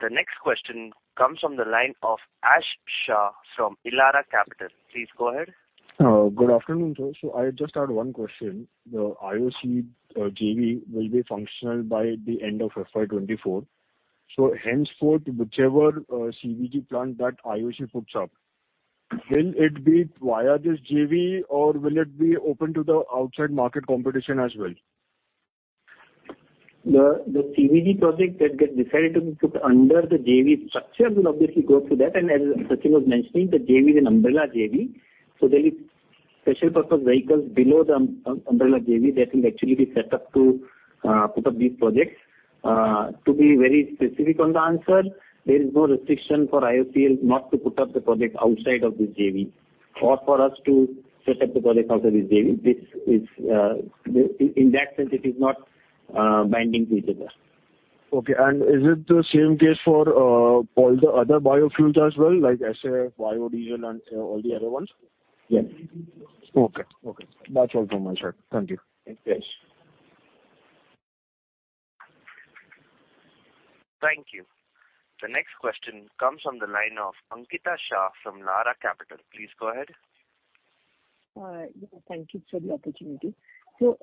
The next question comes from the line of Aash Shah from Elara Capital. Please go ahead. Good afternoon, sir. I just had one question. The IOC JV will be functional by the end of FY 2024. Henceforth, whichever CBG plant that IOC puts up, will it be via this JV, or will it be open to the outside market competition as well? The CBG project that get decided to be put under the JV structure will obviously go through that. As Sachin was mentioning, the JV is an umbrella JV. There is special purpose vehicles below the umbrella JV that will actually be set up to put up these projects. To be very specific on the answer, there is no restriction for IOCL not to put up the project outside of this JV or for us to set up the project outside this JV. This is. In that sense, it is not binding to each other. Okay. Is it the same case for all the other biofuels as well, like SAF, biodiesel and all the other ones? Yes. Okay. Okay. That's all from my side. Thank you. Thanks. Thank you. The next question comes from the line of Ankita Shah from HDFC Securities. Please go ahead. Yeah, thank you for the opportunity. We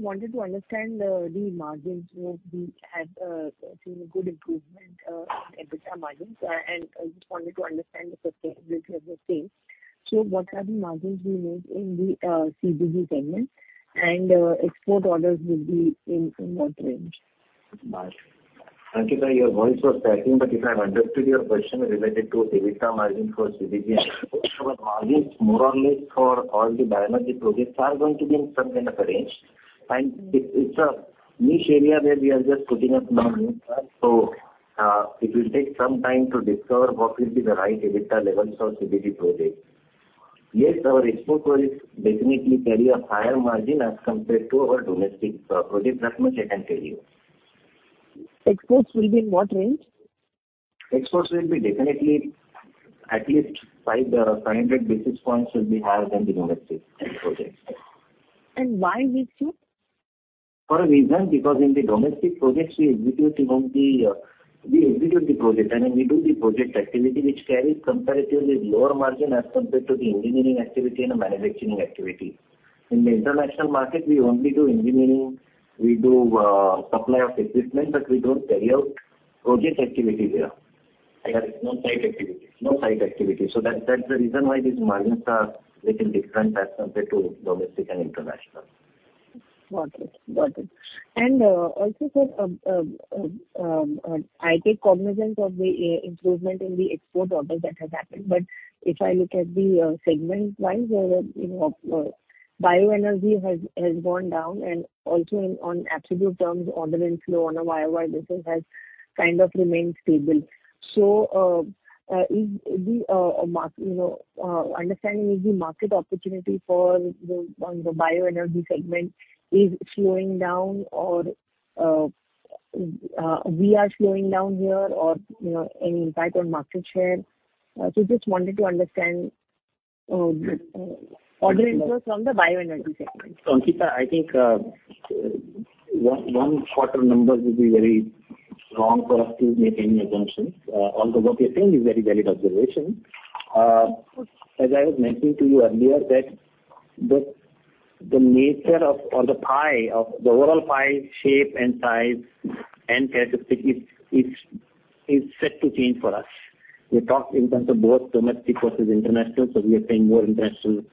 wanted to understand the margins. We had seen a good improvement in EBITDA margins, and I just wanted to understand the sustainability of the same. What are the margins we made in the CBG segment, and export orders will be in what range? Ankita, your voice was cracking, but if I've understood your question related to EBITDA margin for CBG, our margins more or less for all the bioenergy projects are going to be in some kind of a range. It's a niche area where we are just putting up now, so it will take some time to discover what will be the right EBITDA levels for CBG projects. Yes, our export will definitely carry a higher margin as compared to our domestic projects. That much I can tell you. Exports will be in what range? Exports will be definitely at least 500 basis points will be higher than the domestic end projects. Why we see? For a reason, because in the domestic projects, we execute only, we execute the project, and then we do the project activity, which carries comparatively lower margin as compared to the engineering activity and the manufacturing activity. In the international market, we only do engineering, we do, supply of equipment, but we don't carry out project activity there. No site activity. No site activity. That's the reason why these margins are little different as compared to domestic and international. Got it. Got it. Also, sir, I take cognizant of the improvement in the export order that has happened, but if I look at the segment-wise, where, you know, bioenergy has gone down, and also in on absolute terms, order inflow on a YOY basis has kind of remained stable. Is the market, you know, Understanding, is the market opportunity for the, on the bioenergy segment is slowing down, or we are slowing down here, or, you know, any impact on market share? Just wanted to understand the order inflows from the bioenergy segment. Ankita, I think, one quarter numbers will be very wrong for us to make any assumptions. Although what you're saying is very valid observation. As I was mentioning to you earlier, that the nature of or the pie, of the overall pie, shape and size and characteristic is set to change for us. We talked in terms of both domestic versus international, so we are seeing more international.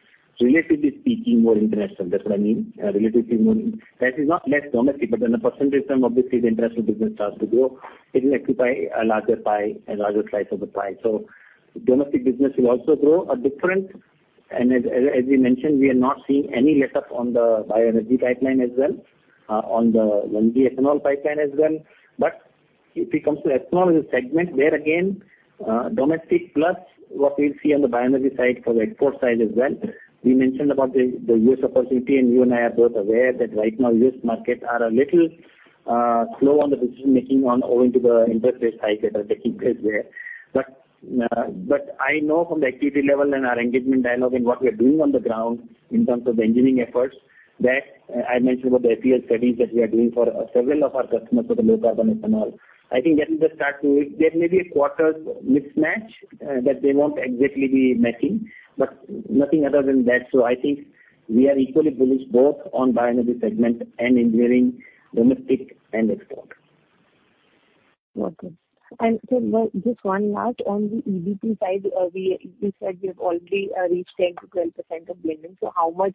Relatively speaking, more international, that's what I mean. Relatively more. That is not less domestic, but on a percentage term, obviously, the international business starts to grow, it will occupy a larger pie, a larger slice of the pie. Domestic business will also grow at different. As we mentioned, we are not seeing any letup on the bioenergy pipeline as well, on the ethanol pipeline as well. If it comes to ethanol as a segment, where again, domestic plus what we'll see on the bioenergy side for the export side as well. We mentioned about the US opportunity, and you and I are both aware that right now, US market are a little slow on the decision-making on owing to the interest rate hike that are taking place there. I know from the activity level and our engagement dialogue and what we are doing on the ground in terms of the engineering efforts, that I mentioned about the FEL studies that we are doing for several of our customers for the low carbon ethanol. I think that is the start to it. There may be a quarter mismatch that they won't exactly be matching, but nothing other than that. I think we are equally bullish both on bioenergy segment and engineering, domestic and export. Okay. Just one last on the EBP side, you said we have already reached 10%-12% of blending. How much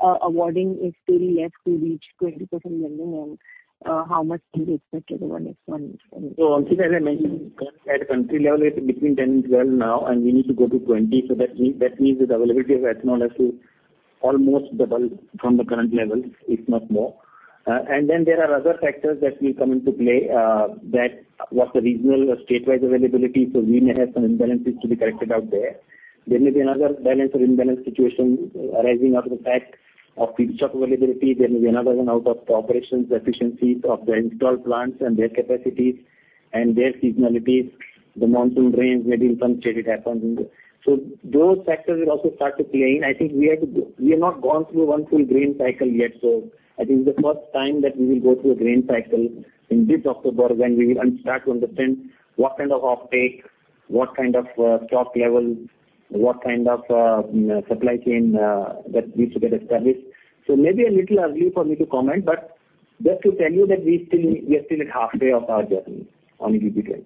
awarding is still left to reach 20% blending, and how much do you expect over the next one year? Ankita, as I mentioned, at country level, it's between 10% and 12% now, and we need to go to 20%. That means the availability of ethanol has to almost double from the current levels, if not more. And then there are other factors that will come into play, that what the regional or state-wide availability, so we may have some imbalances to be corrected out there. There may be another balance or imbalance situation arising out of the fact of feedstock availability. There may be another one out of operation, efficiencies of the installed plants and their capacities, and their seasonality. The monsoon rains may be punctuated, it happens. Those factors will also start to play in. I think we have not gone through one full rain cycle yet, I think it's the first time that we will go through a rain cycle in this October, when we will then start to understand what kind of offtake, what kind of stock level, what kind of supply chain that needs to get established. Maybe a little early for me to comment, but just to tell you that we are still at halfway of our journey on BB 20.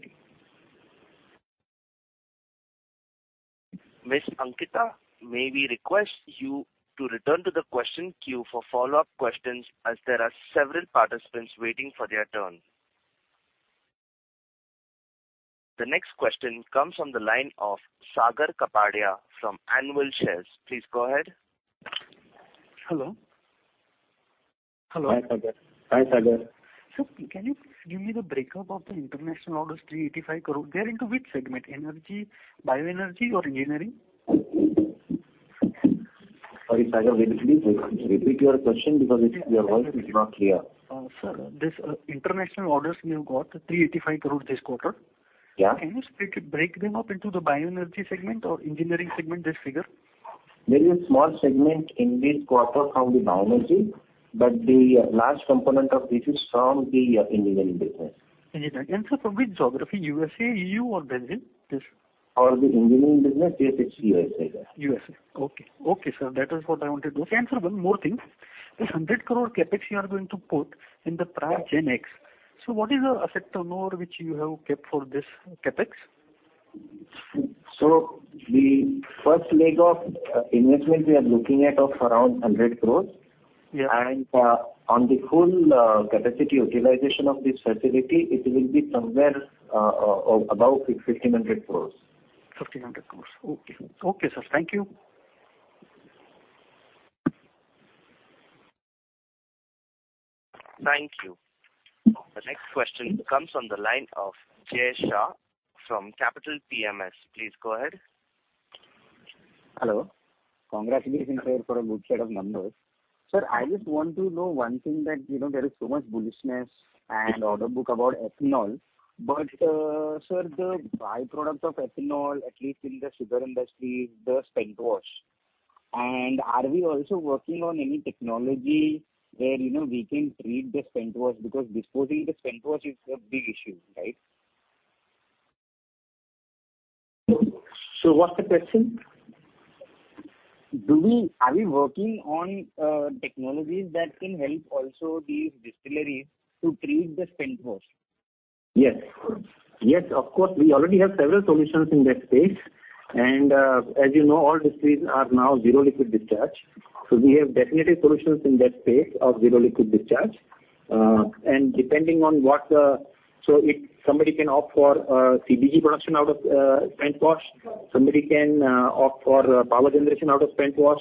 Miss Ankita, may we request you to return to the question queue for follow-up questions, as there are several participants waiting for their turn. The next question comes from the line of Sagar Kapadia from Anvil Shares. Please go ahead. Hello? Hello. Hi, Sagar. Hi, Sagar. Sir, can you please give me the breakup of the international orders, 385 crore. They're into which segment? Energy, bioenergy or engineering? Sorry, Sagar, maybe please repeat your question because it's... Your voice is not clear. Sir, this, international orders you got, 385 crore this quarter. Yeah. Can you break them up into the bioenergy segment or engineering segment, this figure? There is a small segment in this quarter from the bioenergy, but the large component of this is from the engineering business. Engineering. Sir, from which geography, USA, EU or Brazil, this? For the engineering business, yes, it's USA, sir. USA. Okay. Okay, sir. That is what I wanted to... Sir, one more thing. This 100 crore CapEx you are going to put in the Praj GenX. What is the asset or more which you have kept for this CapEx? The first leg of investment we are looking at of around 100 crores. Yeah. On the full capacity utilization of this facility, it will be somewhere about 1,500 crores. 1,500 crores. Okay. Okay, sir. Thank you. Thank you. The next question comes on the line of Jay Shah from JM Financial Services. Please go ahead. Hello. Congratulations, sir, for a good set of numbers. Sir, I just want to know one thing that, you know, there is so much bullishness and order book about ethanol. Sir, the by-product of ethanol, at least in the sugar industry, is the spent wash. Are we also working on any technology where, you know, we can treat the spent wash? Because disposing the spent wash is a big issue, right? What's the question? Are we working on technologies that can help also the distilleries to treat the spent wash? Yes, of course. We already have several solutions in that space, and, as you know, all distilleries are now zero liquid discharge. We have definitive solutions in that space of zero liquid discharge. And depending on what the... If somebody can opt for CDG production out of spent wash, somebody can opt for power generation out of spent wash.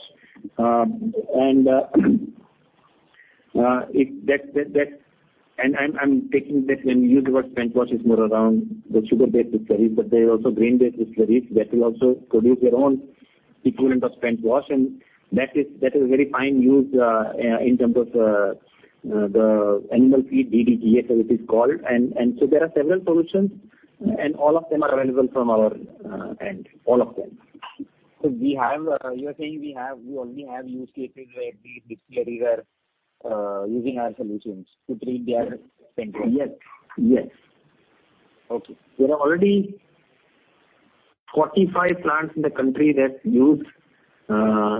I'm taking that when we use the word spent wash, is more around the sugar-based distilleries, but there are also grain-based distilleries that will also produce their own equivalent of spent wash, and that is a very fine use in terms of the animal feed, DDGS, as it is called. There are several solutions, and all of them are available from our end. All of them. You are saying we only have use cases where the distilleries are using our solutions to treat their spent wash? Yes, yes. Okay. There are already 45 plants in the country that use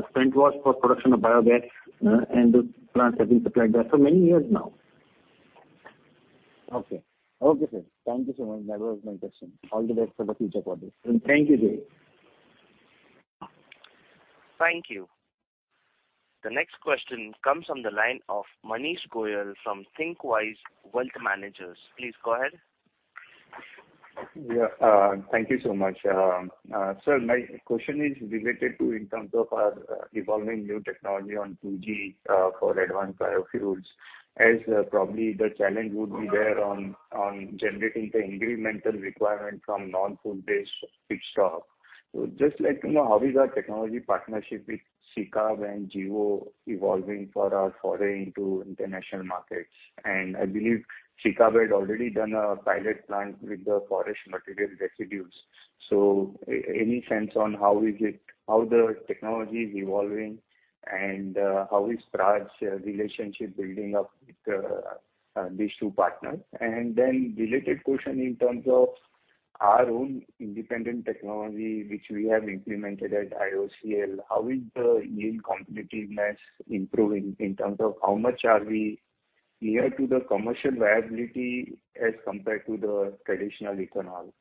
spent wash for production of biogas, and those plants have been supplied there for many years now. Okay. Okay, sir. Thank you so much. That was my question. All the best for the future projects. Thank you, Jay. Thank you. The next question comes from the line of Manish Goyal from Think Wise Wealth Managers. Please go ahead. Yeah, thank you so much. sir, my question is related to in terms of our evolving new technology on 2G for advanced biofuels, as probably the challenge would be there on generating the incremental requirement from non-food based feedstock. just like, you know, how is our technology partnership with Sekab and Gevo evolving for our foray into international markets? And I believe Sekab had already done a pilot plant with the forest material residues. any sense on how the technology is evolving, and how is Praj's relationship building up with these two partners? Related question in terms of our own independent technology, which we have implemented at IOCL, how is the yield competitiveness improving in terms of how much are we near to the commercial viability as compared to the traditional ethanol?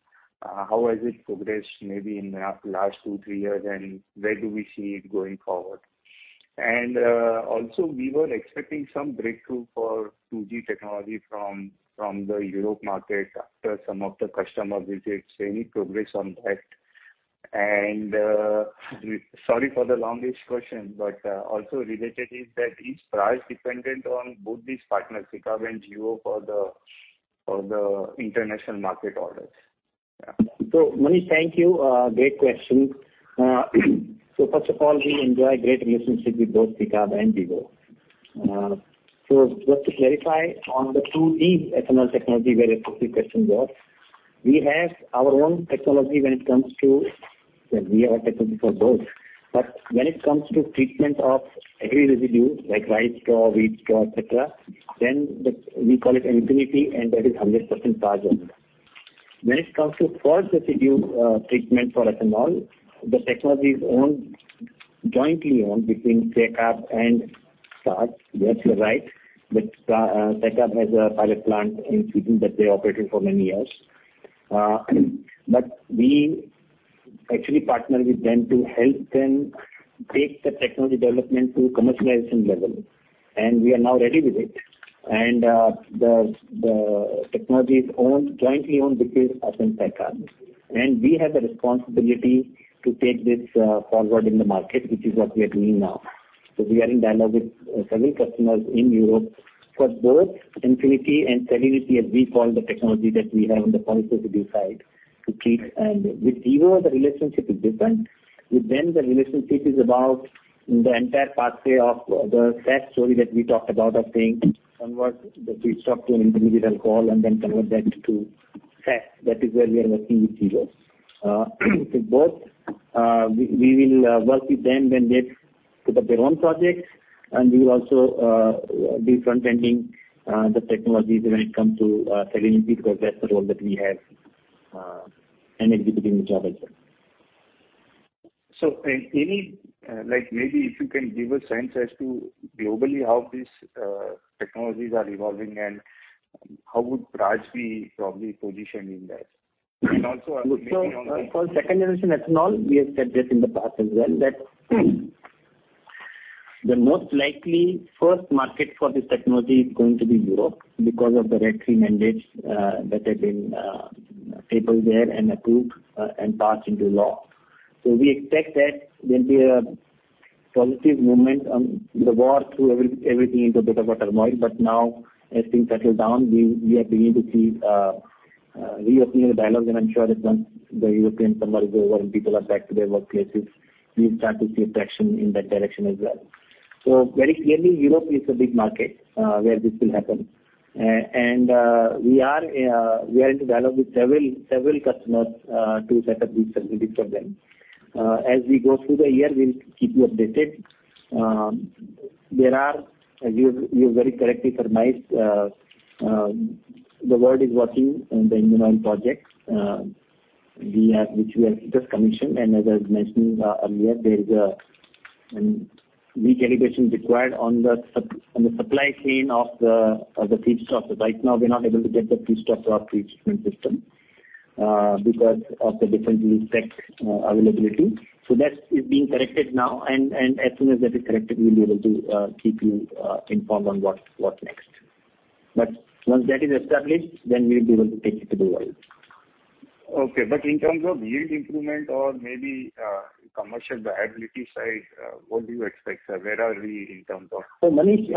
How has it progressed maybe in the last two, three years, and where do we see it going forward? Also, we were expecting some breakthrough for 2G technology from the Europe market after some of the customer visits. Any progress on that? Sorry for the longish question, but also related is that, is Praj dependent on both these partners, Sekab and Gevo, for the international market orders? Manish, thank you. Great question. First of all, we enjoy great relationship with both Sekab and Gevo. Just to clarify on the 2G ethanol technology, where your specific question was, we have our own technology when it comes to, well, we have a technology for both. When it comes to treatment of heavy residue, like rice straw, wheat straw, et cetera, then we call it enfinity, and that is 100% Praj owned. When it comes to forest residue, treatment for ethanol, the technology is owned, jointly owned between Sekab and Praj. Yes, you're right. Sekab has a pilot plant in Sweden that they operated for many years. We actually partner with them to help them take the technology development to commercialization level, and we are now ready with it. The technology is owned, jointly owned between us and Sekab. We have the responsibility to take this forward in the market, which is what we are doing now. We are in dialogue with several customers in Europe for both enfinity and Celluniti, as we call the technology that we have on the solid residue side to treat. With Gevo, the relationship is different. With them, the relationship is about the entire pathway of the fat story that we talked about of saying, convert the feedstock to an individual call and then convert that to fat. That is where we are working with Gevo. Both, we will work with them when they put up their own projects, and we will also be front-ending the technologies when it comes to Celluniti, because that's the role that we have, and executing the job as well. Any, like maybe if you can give a sense as to globally how these technologies are evolving, and how would Praj be probably positioned in that? For second generation ethanol, we have said this in the past as well, that the most likely first market for this technology is going to be Europe because of the RED III mandates that have been tabled there and approved and passed into law. We expect that there'll be a positive movement on the war, threw everything into a bit of a turmoil, but now as things settle down, we are beginning to see reopening of the dialogue. I'm sure that once the European summer is over and people are back to their workplaces, we'll start to see traction in that direction as well. Very clearly, Europe is a big market where this will happen. We are in dialogue with several customers to set up these facilities for them. As we go through the year, we'll keep you updated. You very correctly surmised, the world is watching on the Panipat project, which we have just commissioned, and as I was mentioning earlier, there is a re-calibration required on the supply chain of the feedstock. Right now, we're not able to get the feedstock to our pre-treatment system because of the different spec availability. That is being corrected now, and as soon as that is corrected, we'll be able to keep you informed on what next. Once that is established, then we'll be able to take it to the world. Okay. In terms of yield improvement or maybe, commercial viability side, what do you expect, sir? Where are we in terms of. Manish,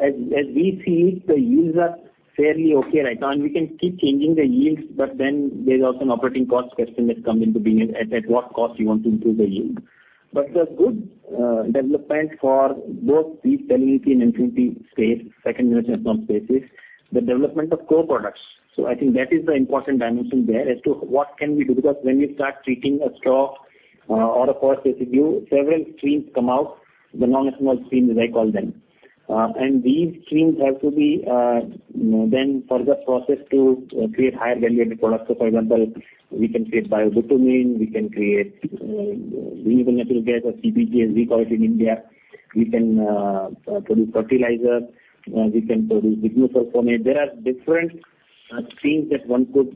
as we see it, the yields are fairly okay right now, and we can keep changing the yields, then there's also an operating cost question that comes into being, at what cost you want to improve the yield? The good development for both the Celluniti and enfinity space, second generation ethanol spaces, the development of co-products. I think that is the important dimension there as to what can we do? Because when you start treating a straw, or a forest residue, several streams come out, the non-ethanol streams, as I call them. These streams have to be then further processed to create higher value-added products. For example, we can create Bio-bitumen, we can create Renewable Natural Gas, or RNG, as we call it in India. We can produce fertilizer. We can produce dimethyl sulfate. There are things that one could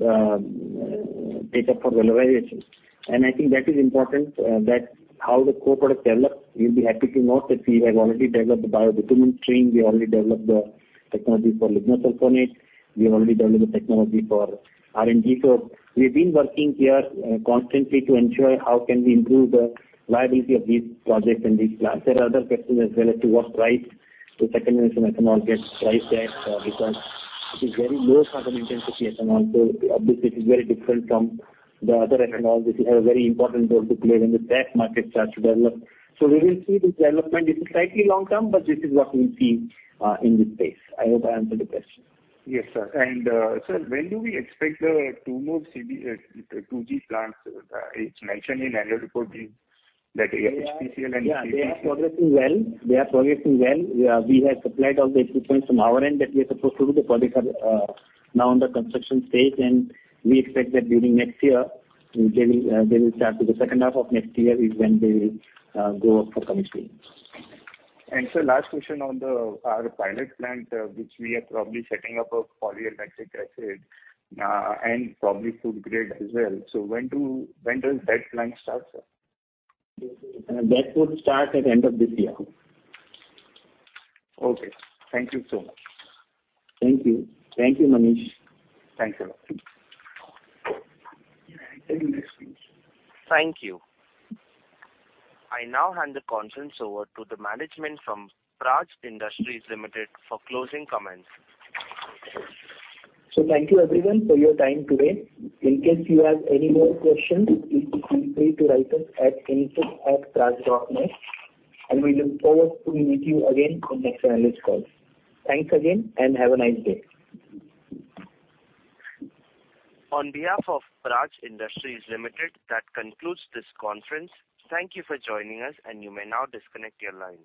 take up for valorization. I think that is important, that how the co-product developed. You'll be happy to know that we have already developed the bio-butanol strain. We already developed the technology for lignosulfonate. We have already developed the technology for RNG. We've been working here constantly to ensure how can we improve the viability of these projects and these plants. There are other factors as well as to what price, the second generation ethanol gets priced at, because it is very low carbon intensity ethanol. Obviously, it is very different from the other ethanol. This will have a very important role to play when the tax markets start to develop. We will see this development. This is slightly long-term, but this is what we see in this space. I hope I answered the question. Yes, sir. Sir, when do we expect the two more CB 2G plants? It's mentioned in annual report that HPCL and- Yeah, they are progressing well. They are progressing well. We have supplied all the equipment from our end that we are supposed to, the project are now under construction stage. We expect that during next year, they will start with the second half of next year is when they will go up for commissioning. Sir, last question on the, our pilot plant, which we are probably setting up for polylactic acid, and probably food grade as well. When does that plant start, sir? That would start at end of this year. Okay. Thank you so much. Thank you. Thank you, Manish. Thanks a lot. Thank you. I now hand the conference over to the management from Praj Industries Limited for closing comments. Thank you, everyone, for your time today. In case you have any more questions, please feel free to write us at info@praj.net, and we look forward to meet you again on next analyst call. Thanks again, and have a nice day. On behalf of Praj Industries Limited, that concludes this conference. Thank you for joining us, and you may now disconnect your lines.